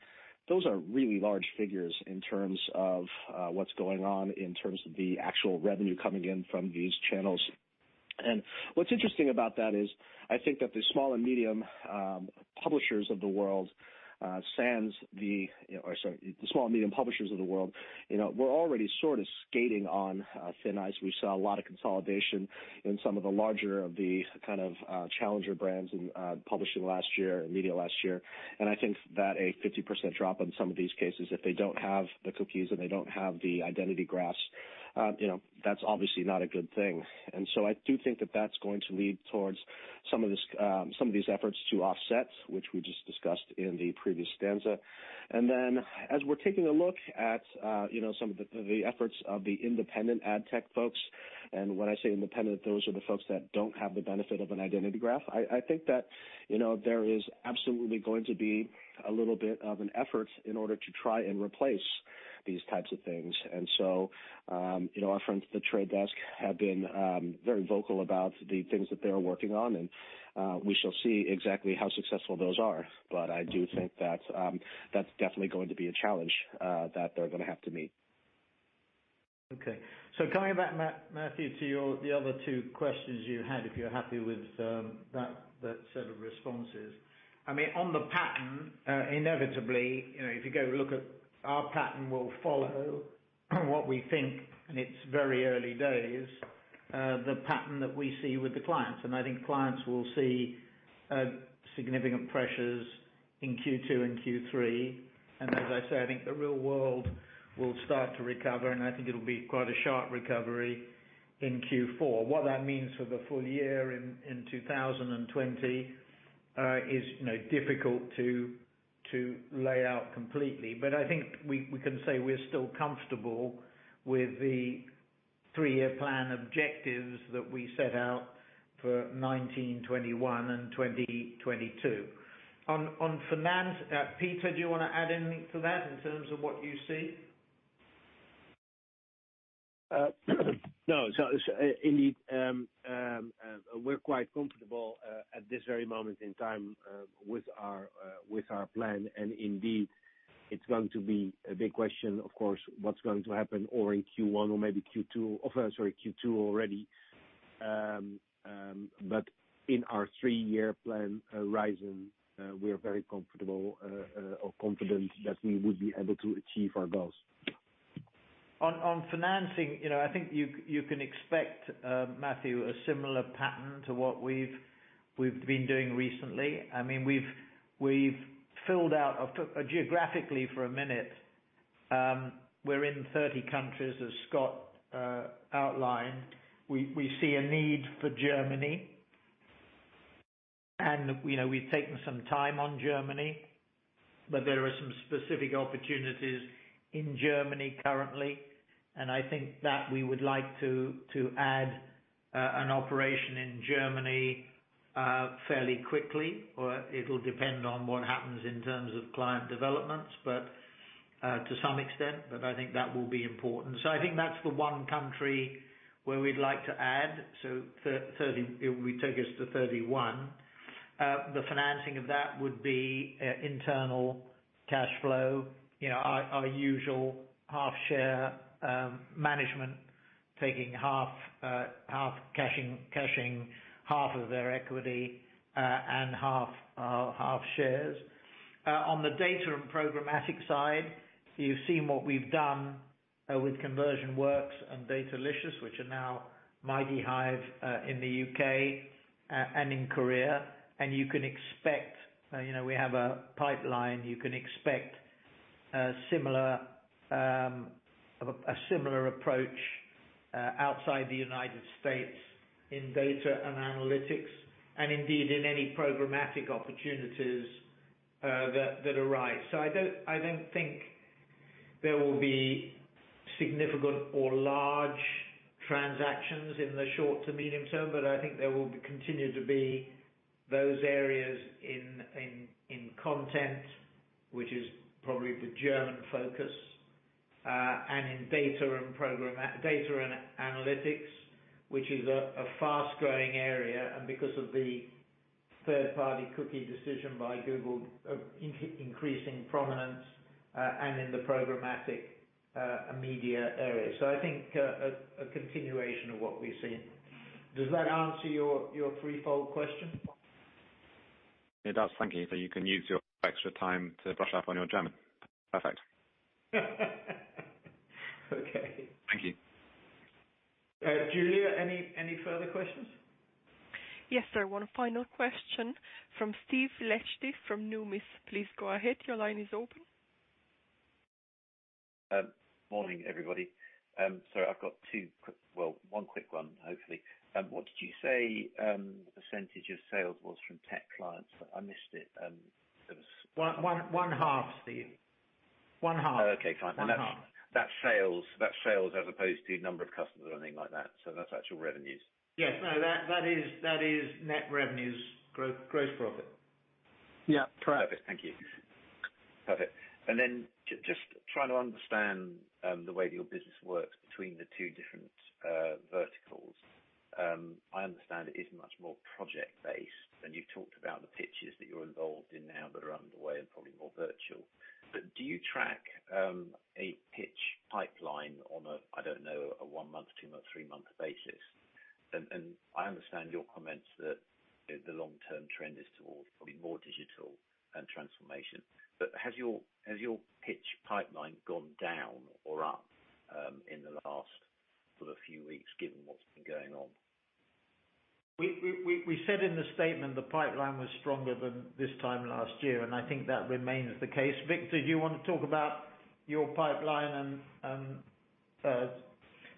those are really large figures in terms of what's going on, in terms of the actual revenue coming in from these channels. What's interesting about that is, I think that the small and medium publishers of the world were already sort of skating on thin ice. We saw a lot of consolidation in some of the larger of the kind of challenger brands in publishing last year, in media last year, and I think that a 50% drop on some of these cases, if they don't have the cookies and they don't have the identity graphs, that's obviously not a good thing. I do think that that's going to lead towards some of these efforts to offset, which we just discussed in the previous stanza. As we're taking a look at some of the efforts of the independent ad tech folks, and when I say independent, those are the folks that don't have the benefit of an identity graph. I think that there is absolutely going to be a little bit of an effort in order to try and replace these types of things. Our friends at The Trade Desk have been very vocal about the things that they're working on, and we shall see exactly how successful those are. I do think that's definitely going to be a challenge that they're going to have to meet. Okay. Coming back, Matthew, to the other two questions you had, if you're happy with that set of responses. On the pattern, inevitably, if you go look at our pattern, we'll follow what we think, and it's very early days, the pattern that we see with the clients. I think clients will see significant pressures in Q2 and Q3. As I say, I think the real world will start to recover, and I think it'll be quite a sharp recovery in Q4. What that means for the full year in 2020 is difficult to lay out completely. I think we can say we're still comfortable with the three-year plan objectives that we set out for 2019, 2021, and 2022. On finance, Peter, do you want to add anything to that in terms of what you see? No. Indeed, we're quite comfortable at this very moment in time, with our plan. Indeed, it's going to be a big question, of course, what's going to happen or in Q1 or maybe Q2, sorry, Q2 already. In our three-year plan horizon, we're very comfortable or confident that we would be able to achieve our goals. On financing, I think you can expect, Matthew, a similar pattern to what we've been doing recently. We've filled out, geographically for a minute, we're in 30 countries, as Scott outlined. We see a need for Germany. We've taken some time on Germany, but there are some specific opportunities in Germany currently, and I think that we would like to add an operation in Germany fairly quickly, or it'll depend on what happens in terms of client developments, but to some extent, but I think that will be important. I think that's the one country where we'd like to add, so it would take us to 31. The financing of that would be internal cash flow, our usual half share, management taking half cashing half of their equity, and half shares. On the data and programmatic side, you've seen what we've done with ConversionWorks and Datalicious, which are now MightyHive in the U.K. and in Korea. You can expect, we have a pipeline, you can expect a similar approach outside the United States in data and analytics, and indeed in any programmatic opportunities that arise. I don't think there will be significant or large transactions in the short to medium term, but I think there will continue to be those areas in content, which is probably the German focus, and in data and analytics, which is a fast-growing area, and because of the third-party cookie decision by Google, increasing prominence and in the programmatic media area. I think a continuation of what we've seen. Does that answer your threefold question? It does. Thank you. You can use your extra time to brush up on your German. Perfect. Okay. Thank you. Julia, any further questions? Yes, sir. One final question from Steve Liechti from Numis. Please go ahead. Your line is open. Morning, everybody. Sorry, I've got one quick one, hopefully. What did you say percentage of sales was from tech clients? I missed it. One half, Steve. One half. Okay, fine. One half. That's sales as opposed to number of customers or anything like that. That's actual revenues? Yes. No, that is net revenues, gross profit. Yeah, correct. Thank you. Perfect. Just trying to understand the way your business works between the two different verticals. I understand it is much more project-based, and you've talked about the pitches that you're involved in now that are underway and probably more virtual. Do you track a pitch pipeline on a, I don't know, a one-month, two-month, three-month basis? I understand your comments that the long-term trend is towards probably more digital and transformation. Has your pitch pipeline gone down or up in the last sort of few weeks, given what's been going on? We said in the statement the pipeline was stronger than this time last year, I think that remains the case. Victor, do you want to talk about your pipeline and,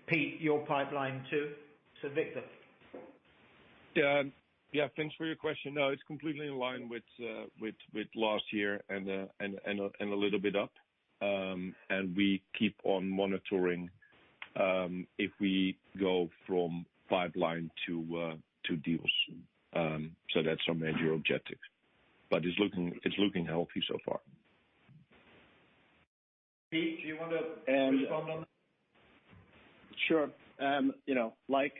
Pete, your pipeline, too? Victor. Yeah. Thanks for your question. No, it's completely in line with last year and a little bit up. We keep on monitoring if we go from pipeline to deals. That's our major objective. It's looking healthy so far. Pete, do you want to respond on that? Sure. Like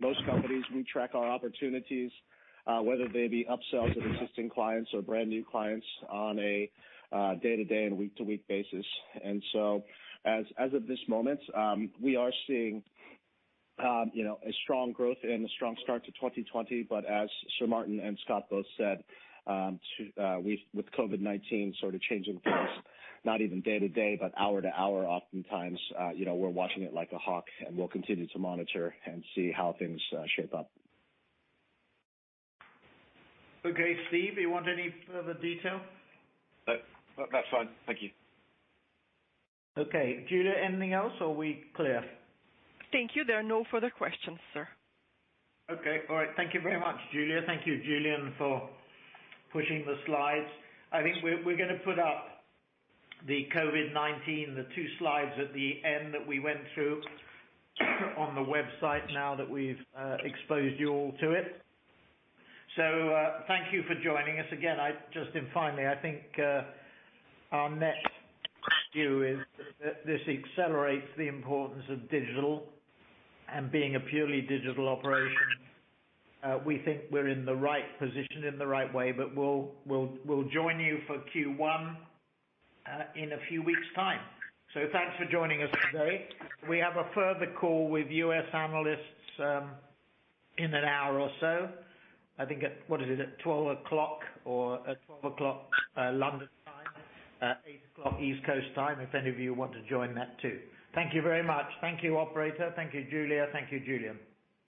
most companies, we track our opportunities, whether they be upsells of existing clients or brand new clients on a day-to-day and week-to-week basis. As of this moment, we are seeing a strong growth and a strong start to 2020. As Sir Martin and Scott both said, with COVID-19 sort of changing things, not even day-to-day, but hour-to-hour oftentimes, we're watching it like a hawk, and we'll continue to monitor and see how things shape up. Okay. Steve, you want any further detail? No, that's fine. Thank you. Okay. Julia, anything else or are we clear? Thank you. There are no further questions, sir. Okay. All right. Thank you very much, Julia. Thank you, Julian, for pushing the slides. I think we're going to put up the COVID-19, the two slides at the end that we went through on the website now that we've exposed you all to it. Thank you for joining us. Again, just finally, I think our net view is that this accelerates the importance of digital and being a purely digital operation. We think we're in the right position, in the right way, but we'll join you for Q1 in a few weeks' time. Thanks for joining us today. We have a further call with U.S. analysts in an hour or so. I think at, what is it? 12:00 P.M. or at 12:00 P.M. London time, 8:00 A.M. East Coast time, if any of you want to join that, too. Thank you very much. Thank you, operator. Thank you, Julia. Thank you, Julian.